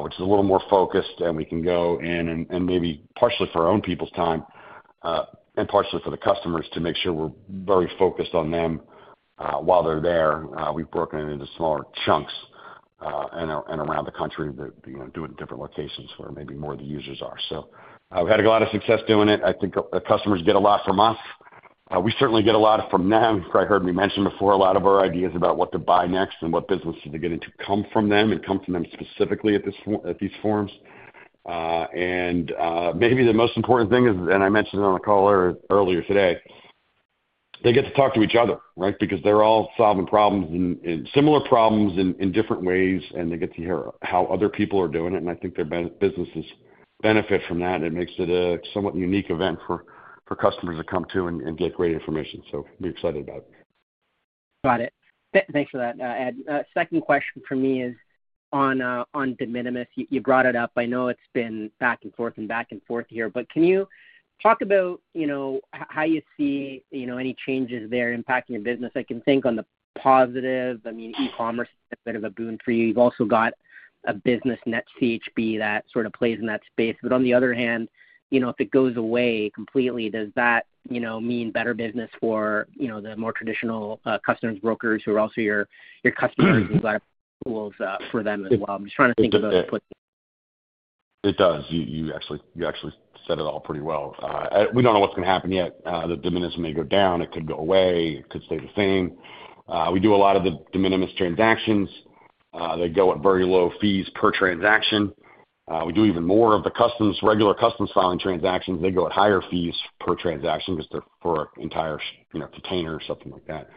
which is a little more focused, and we can go in and maybe partially for our own people's time and partially for the customers to make sure we're very focused on them while they're there. We've broken it into smaller chunks and around the country to do it in different locations where maybe more of the users are. We've had a lot of success doing it. I think customers get a lot from us. We certainly get a lot from them. You've probably heard me mention before a lot of our ideas about what to buy next and what businesses to get into come from them and come from them specifically at these forums. And maybe the most important thing is, and I mentioned it on the call earlier today, they get to talk to each other, right, because they're all solving problems and similar problems in different ways, and they get to hear how other people are doing it. And I think their businesses benefit from that, and it makes it a somewhat unique event for customers to come to and get great information. So we're excited about it. Got it. Thanks for that, Ed. Second question for me is on de minimis. You brought it up. I know it's been back and forth and back and forth here, but can you talk about how you see any changes there impacting your business? I can think on the positive. I mean, e-commerce is a bit of a boon for you. You've also got a business, NetCHB, that sort of plays in that space. But on the other hand, if it goes away completely, does that mean better business for the more traditional customers, brokers who are also your customers? You've got tools for them as well. I'm just trying to think about it. It does. You actually said it all pretty well. We don't know what's going to happen yet. The de minimis may go down. It could go away. It could stay the same. We do a lot of the de minimis transactions. They go at very low fees per transaction. We do even more of the regular customs filing transactions. They go at higher fees per transaction just for an entire container or something like that.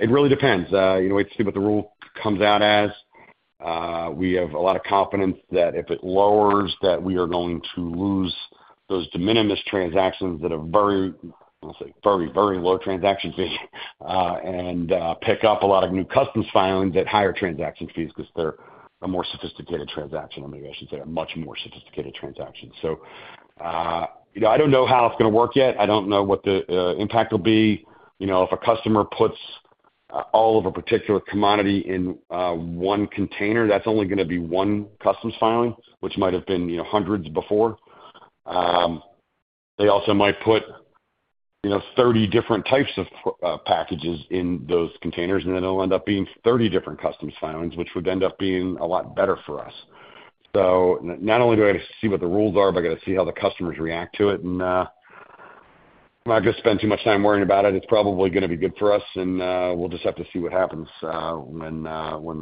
It really depends. It's what the rule comes out as. We have a lot of confidence that if it lowers, that we are going to lose those de minimis transactions that are very, very low transaction fees and pick up a lot of new customs filings at higher transaction fees because they're a more sophisticated transaction. I mean, I should say a much more sophisticated transaction. So I don't know how it's going to work yet. I don't know what the impact will be. If a customer puts all of a particular commodity in one container, that's only going to be one customs filing, which might have been hundreds before. They also might put 30 different types of packages in those containers, and then it'll end up being 30 different customs filings, which would end up being a lot better for us. So not only do I get to see what the rules are, but I get to see how the customers react to it. And I'm not going to spend too much time worrying about it. It's probably going to be good for us, and we'll just have to see what happens when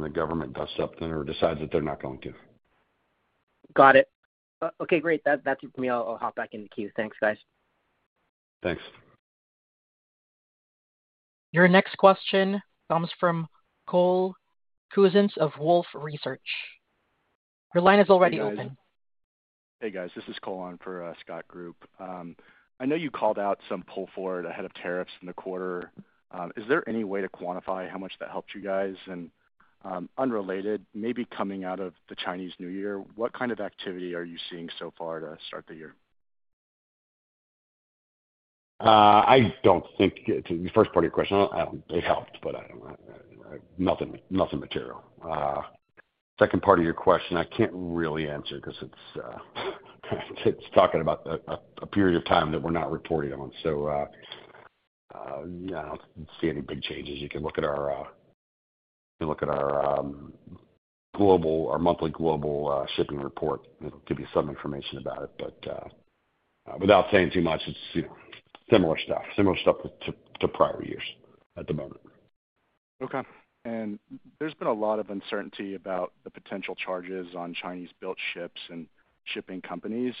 the government steps up or decides that they're not going to. Got it. Okay. Great. That's it for me. I'll hop back in the queue. Thanks, guys. Thanks. Your next question comes from Cole Couzens of Wolfe Research. Your line is already open. Hey, guys. This is Cole on for Scott Group. I know you called out some pull forward ahead of tariffs in the quarter. Is there any way to quantify how much that helped you guys? Unrelated, maybe coming out of the Chinese New Year, what kind of activity are you seeing so far to start the year? I don't think the first part of your question, it helped, but nothing material. Second part of your question, I can't really answer because it's talking about a period of time that we're not reporting on. So I don't see any big changes. You can look at our global or monthly Global Shipping Report. It'll give you some information about it. But without saying too much, it's similar stuff, similar stuff to prior years at the moment. Okay. There's been a lot of uncertainty about the potential charges on Chinese-built ships and shipping companies.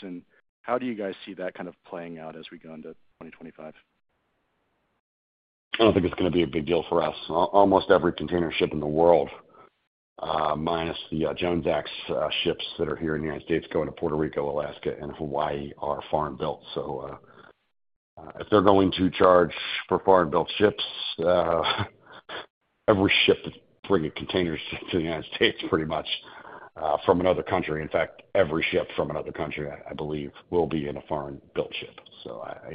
How do you guys see that kind of playing out as we go into 2025? I don't think it's going to be a big deal for us. Almost every container ship in the world, minus the Jones Act ships that are here in the United States, going to Puerto Rico, Alaska, and Hawaii, are foreign-built. So if they're going to charge for foreign-built ships, every ship that's bringing containers to the United States pretty much from another country, in fact, every ship from another country, I believe, will be in a foreign-built ship. So I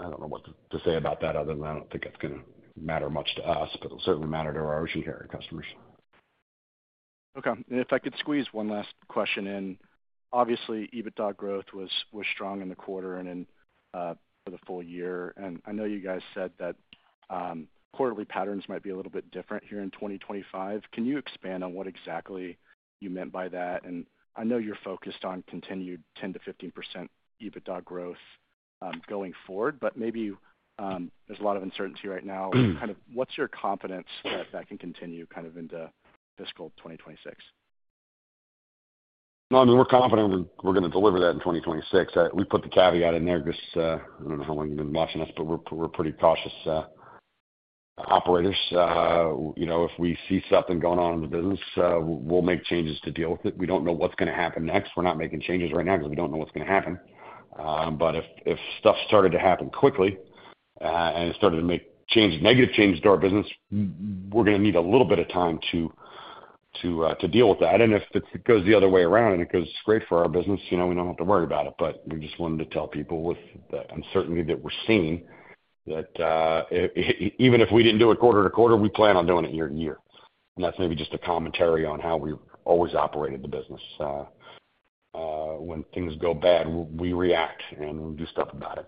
don't know what to say about that other than I don't think it's going to matter much to us, but it'll certainly matter to our ocean carrier customers. Okay. And if I could squeeze one last question in, obviously, EBITDA growth was strong in the quarter and in the full year. And I know you guys said that quarterly patterns might be a little bit different here in 2025. Can you expand on what exactly you meant by that? And I know you're focused on continued 10% to 15% EBITDA growth going forward, but maybe there's a lot of uncertainty right now. Kind of, what's your confidence that that can continue kind of into fiscal 2026? No, I mean, we're confident we're going to deliver that in 2026. We put the caveat in there because I don't know how long you've been watching us, but we're pretty cautious operators. If we see something going on in the business, we'll make changes to deal with it. We don't know what's going to happen next. We're not making changes right now because we don't know what's going to happen. But if stuff started to happen quickly and it started to make negative changes to our business, we're going to need a little bit of time to deal with that. And if it goes the other way around and it goes great for our business, we don't have to worry about it. But we just wanted to tell people with the uncertainty that we're seeing that even if we didn't do it quarter to quarter, we plan on doing it year to year. And that's maybe just a commentary on how we've always operated the business. When things go bad, we react and we do stuff about it.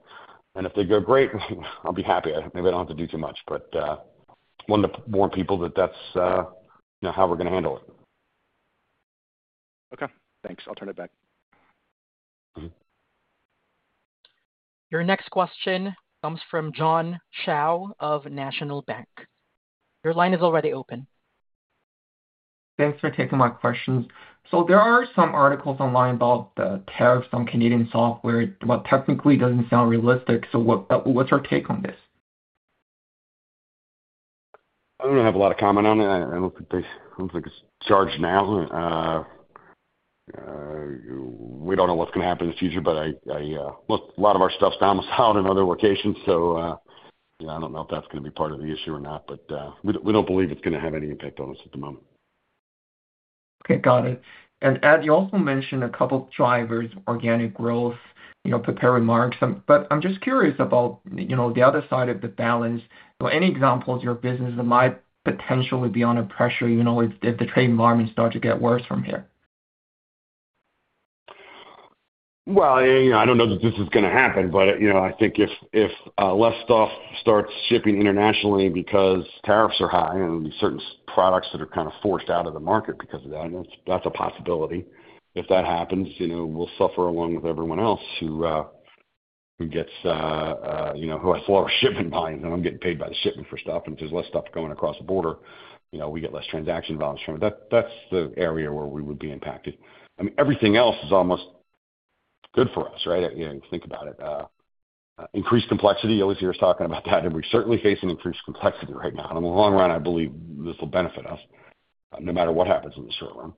And if they go great, I'll be happy. Maybe I don't have to do too much, but wanted to warn people that that's how we're going to handle it. Okay. Thanks. I'll turn it back. Your next question comes from John Shao of National Bank. Your line is already open. Thanks for taking my questions. So there are some articles online about the tariffs on Canadian software. It technically doesn't sound realistic. So what's your take on this? I don't have a lot of comment on it. I don't think it's charged now. We don't know what's going to happen in the future, but a lot of our stuff's almost out in other locations. So I don't know if that's going to be part of the issue or not, but we don't believe it's going to have any impact on us at the moment. Okay. Got it. And Ed, you also mentioned a couple of drivers, organic growth, prepare remarks. But I'm just curious about the other side of the balance. Any examples of your business that might potentially be under pressure if the trade environment starts to get worse from here? I don't know that this is going to happen, but I think if less stuff starts shipping internationally because tariffs are high and certain products that are kind of forced out of the market because of that, that's a possibility. If that happens, we'll suffer along with everyone else who has a lot of shipment volumes and I'm getting paid by the shipment for stuff. If there's less stuff going across the border, we get less transaction volumes. That's the area where we would be impacted. I mean, everything else is almost good for us, right? Think about it. Increased complexity. [Alicia] was talking about that, and we're certainly facing increased complexity right now. In the long run, I believe this will benefit us no matter what happens in the short run.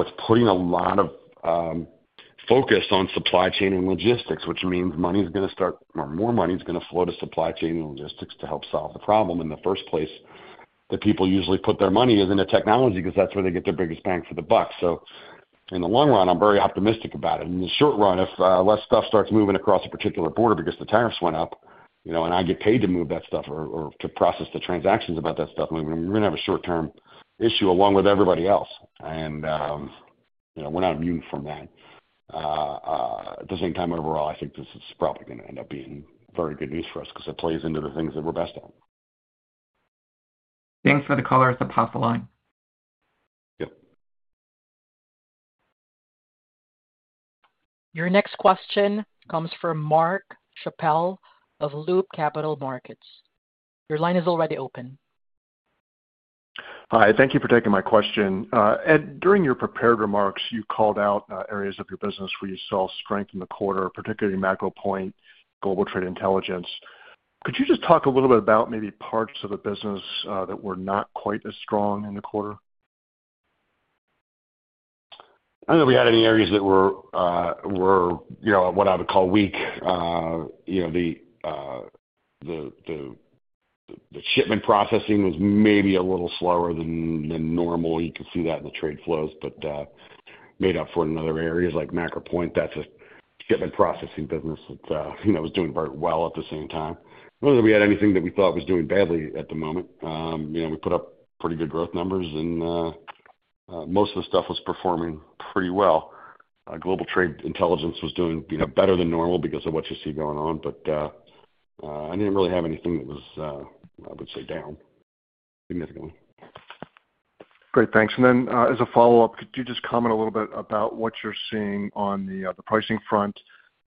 It's putting a lot of focus on supply chain and logistics, which means money is going to start, or more money is going to flow to supply chain and logistics to help solve the problem. In the first place, the people usually put their money is into technology because that's where they get their biggest bang for the buck. So in the long run, I'm very optimistic about it. In the short run, if less stuff starts moving across a particular border because the tariffs went up and I get paid to move that stuff or to process the transactions about that stuff, we're going to have a short-term issue along with everybody else. We're not immune from that. At the same time, overall, I think this is probably going to end up being very good news for us because it plays into the things that we're best at. Thanks for the colors. I'll pass the line. Yep. Your next question comes from Mark Schappel of Loop Capital Markets. Your line is already open. Hi. Thank you for taking my question. Ed, during your prepared remarks, you called out areas of your business where you saw strength in the quarter, particularly MacroPoint, Global Trade Intelligence. Could you just talk a little bit about maybe parts of the business that were not quite as strong in the quarter? I don't know if we had any areas that were what I would call weak. The shipment processing was maybe a little slower than normal. You could see that in the trade flows, but made up for in other areas like MacroPoint. That's a shipment processing business that was doing very well at the same time. I don't know that we had anything that we thought was doing badly at the moment. We put up pretty good growth numbers, and most of the stuff was performing pretty well. Global Trade Intelligence was doing better than normal because of what you see going on. But I didn't really have anything that was, I would say, down significantly. Great. Thanks. And then as a follow-up, could you just comment a little bit about what you're seeing on the pricing front?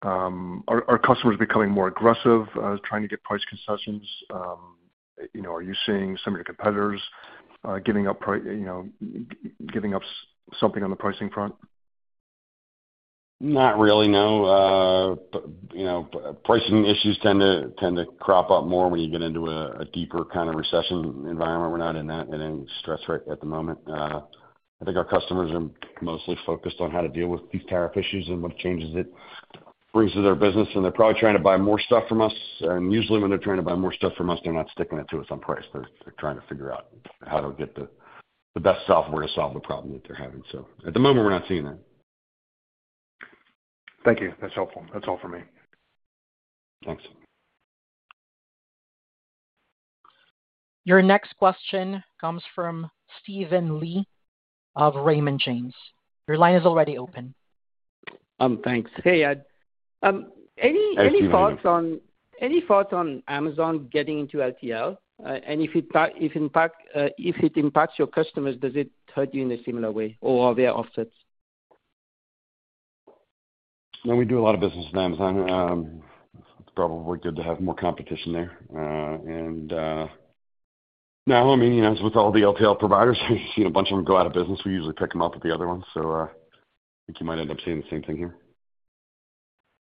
Are customers becoming more aggressive trying to get price concessions? Are you seeing some of your competitors giving up something on the pricing front? Not really, no. But pricing issues tend to crop up more when you get into a deeper kind of recession environment. We're not in any stress right at the moment. I think our customers are mostly focused on how to deal with these tariff issues and what changes it brings to their business. And they're probably trying to buy more stuff from us. And usually when they're trying to buy more stuff from us, they're not sticking it to us on price. They're trying to figure out how to get the best software to solve the problem that they're having. So at the moment, we're not seeing that. Thank you. That's helpful. That's all for me. Thanks. Your next question comes from Steven Li of Raymond James. Your line is already open. Thanks. Hey, Ed. Any thoughts on Amazon getting into LTL? And if it impacts your customers, does it hurt you in a similar way or are there offsets? We do a lot of business with Amazon. It's probably good to have more competition there. Now, I mean, with all the LTL providers, I've seen a bunch of them go out of business. We usually pick them up with the other ones. So I think you might end up seeing the same thing here.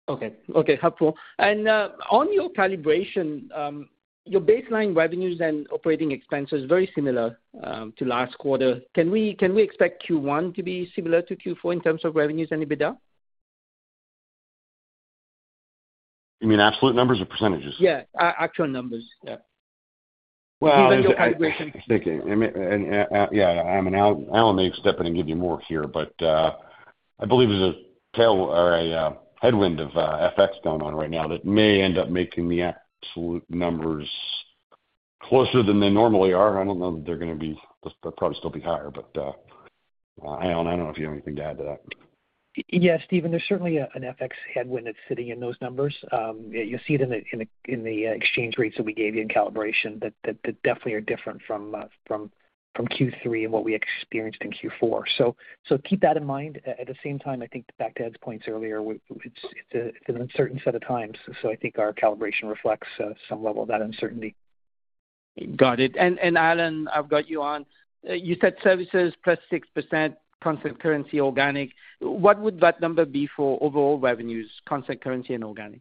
Okay. Okay. Helpful. And on your calibration, your baseline revenues and operating expenses are very similar to last quarter. Can we expect Q1 to be similar to Q4 in terms of revenues and EBITDA? You mean absolute numbers or percentages? Yeah. Actual numbers. Yeah. Well, I think your calibration is, yeah, I'm not at liberty to give you more here, but I believe there's a headwind of FX going on right now that may end up making the absolute numbers closer than they normally are. I don't know that they're going to be, they'll probably still be higher, but I don't know if you have anything to add to that. Yes, Steven, there's certainly an FX headwind that's sitting in those numbers. You'll see it in the exchange rates that we gave you in calibration that definitely are different from Q3 and what we experienced in Q4. So keep that in mind. At the same time, I think back to Ed's points earlier. It's an uncertain set of times. So I think our calibration reflects some level of that uncertainty. Got it. And Allan, I've got you on. You said services plus 6%, constant currency, organic. What would that number be for overall revenues, constant currency and organic?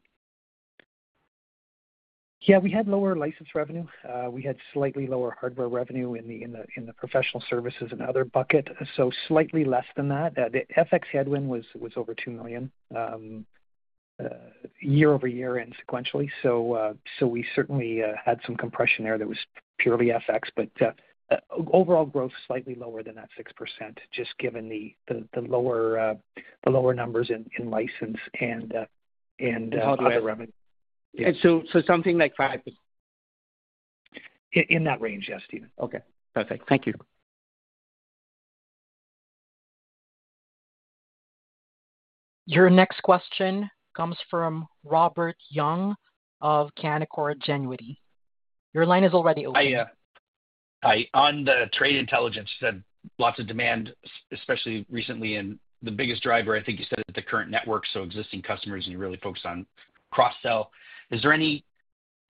Yeah, we had lower license revenue. We had slightly lower hardware revenue in the professional services and other bucket. So slightly less than that. The FX headwind was over $2 million year-over-year and sequentially. So we certainly had some compression there that was purely FX, but overall growth slightly lower than that 6% just given the lower numbers in license and other revenue. And so something like 5%? In that range, yes, Steven. Okay. Perfect. Thank you. Your next question comes from Robert Young of Canaccord Genuity. Your line is already open. Hi. On the trade intelligence, you said lots of demand, especially recently in the biggest driver, I think you said it's the current network, so existing customers, and you're really focused on cross-sell. Is there any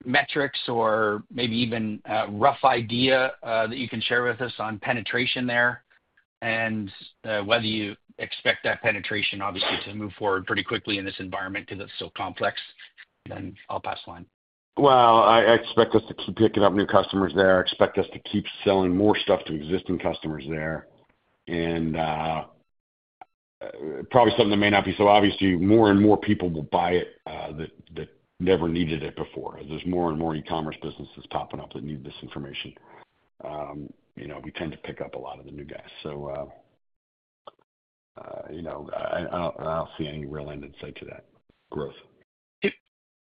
metrics or maybe even rough idea that you can share with us on penetration there and whether you expect that penetration, obviously, to move forward pretty quickly in this environment because it's so complex? Then I'll pass the line. Well, I expect us to keep picking up new customers there. I expect us to keep selling more stuff to existing customers there, and probably something that may not be so obvious to you, more and more people will buy it that never needed it before. There's more and more e-commerce businesses popping up that need this information. We tend to pick up a lot of the new guys, so I don't see any real end in sight to that growth.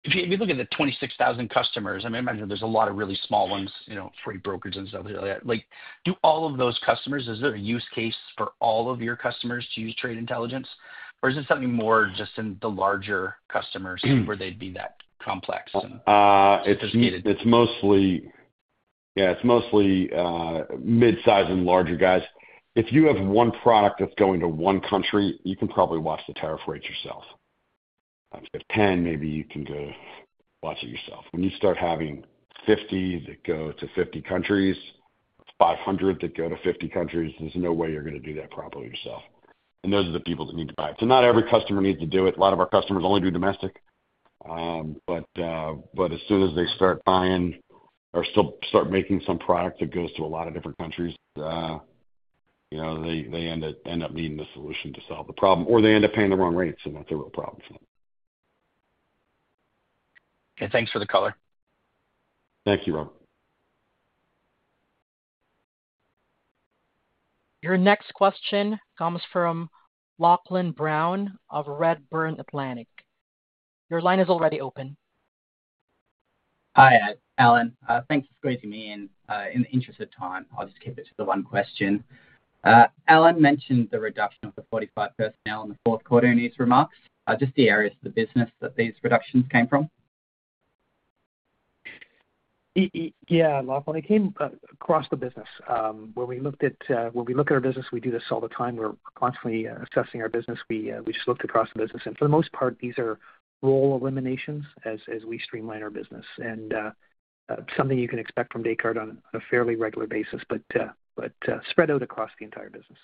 If you look at the 26,000 customers, I mean, I imagine there's a lot of really small ones, freight brokers and stuff like that. Do all of those customers, is there a use case for all of your customers to use trade intelligence? Or is it something more just in the larger customers where they'd be that complex and sophisticated? It's mostly, yeah, it's mostly mid-size and larger guys. If you have one product that's going to one country, you can probably watch the tariff rates yourself. If you have 10, maybe you can go watch it yourself. When you start having 50 that go to 50 countries, 500 that go to 50 countries, there's no way you're going to do that properly yourself. And those are the people that need to buy it. So not every customer needs to do it. A lot of our customers only do domestic. But as soon as they start buying or start making some product that goes to a lot of different countries, they end up needing the solution to solve the problem. Or they end up paying the wrong rates, and that's a real problem for them. Okay. Thanks for the caller. Thank you, Robert. Your next question comes from Lachlan Brown of Redburn Atlantic. Your line is already open. Hi, Allan. Thanks for squeezing me in. In the interest of time, I'll just keep it to the one question. Allan mentioned the reduction of the 45% now in the Q4 in his remarks. Just the areas of the business that these reductions came from? Yeah. Lachlan, it came across the business. When we look at our business, we do this all the time. We're constantly assessing our business. We just looked across the business. And for the most part, these are role eliminations as we streamline our business. And something you can expect from Descartes on a fairly regular basis, but spread out across the entire business.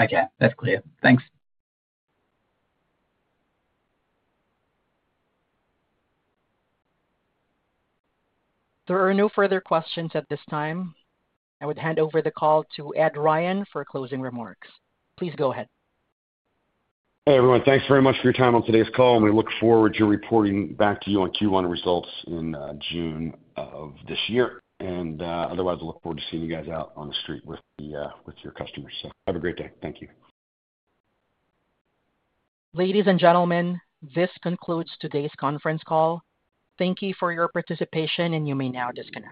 Okay. That's clear. Thanks. There are no further questions at this time. I would hand over the call to Ed Ryan for closing remarks. Please go ahead. Hey, everyone. Thanks very much for your time on today's call. We look forward to reporting back to you on Q1 results in June of this year. Otherwise, I look forward to seeing you guys out on the street with your customers. Have a great day. Thank you. Ladies and gentlemen, this concludes today's conference call. Thank you for your participation, and you may now disconnect.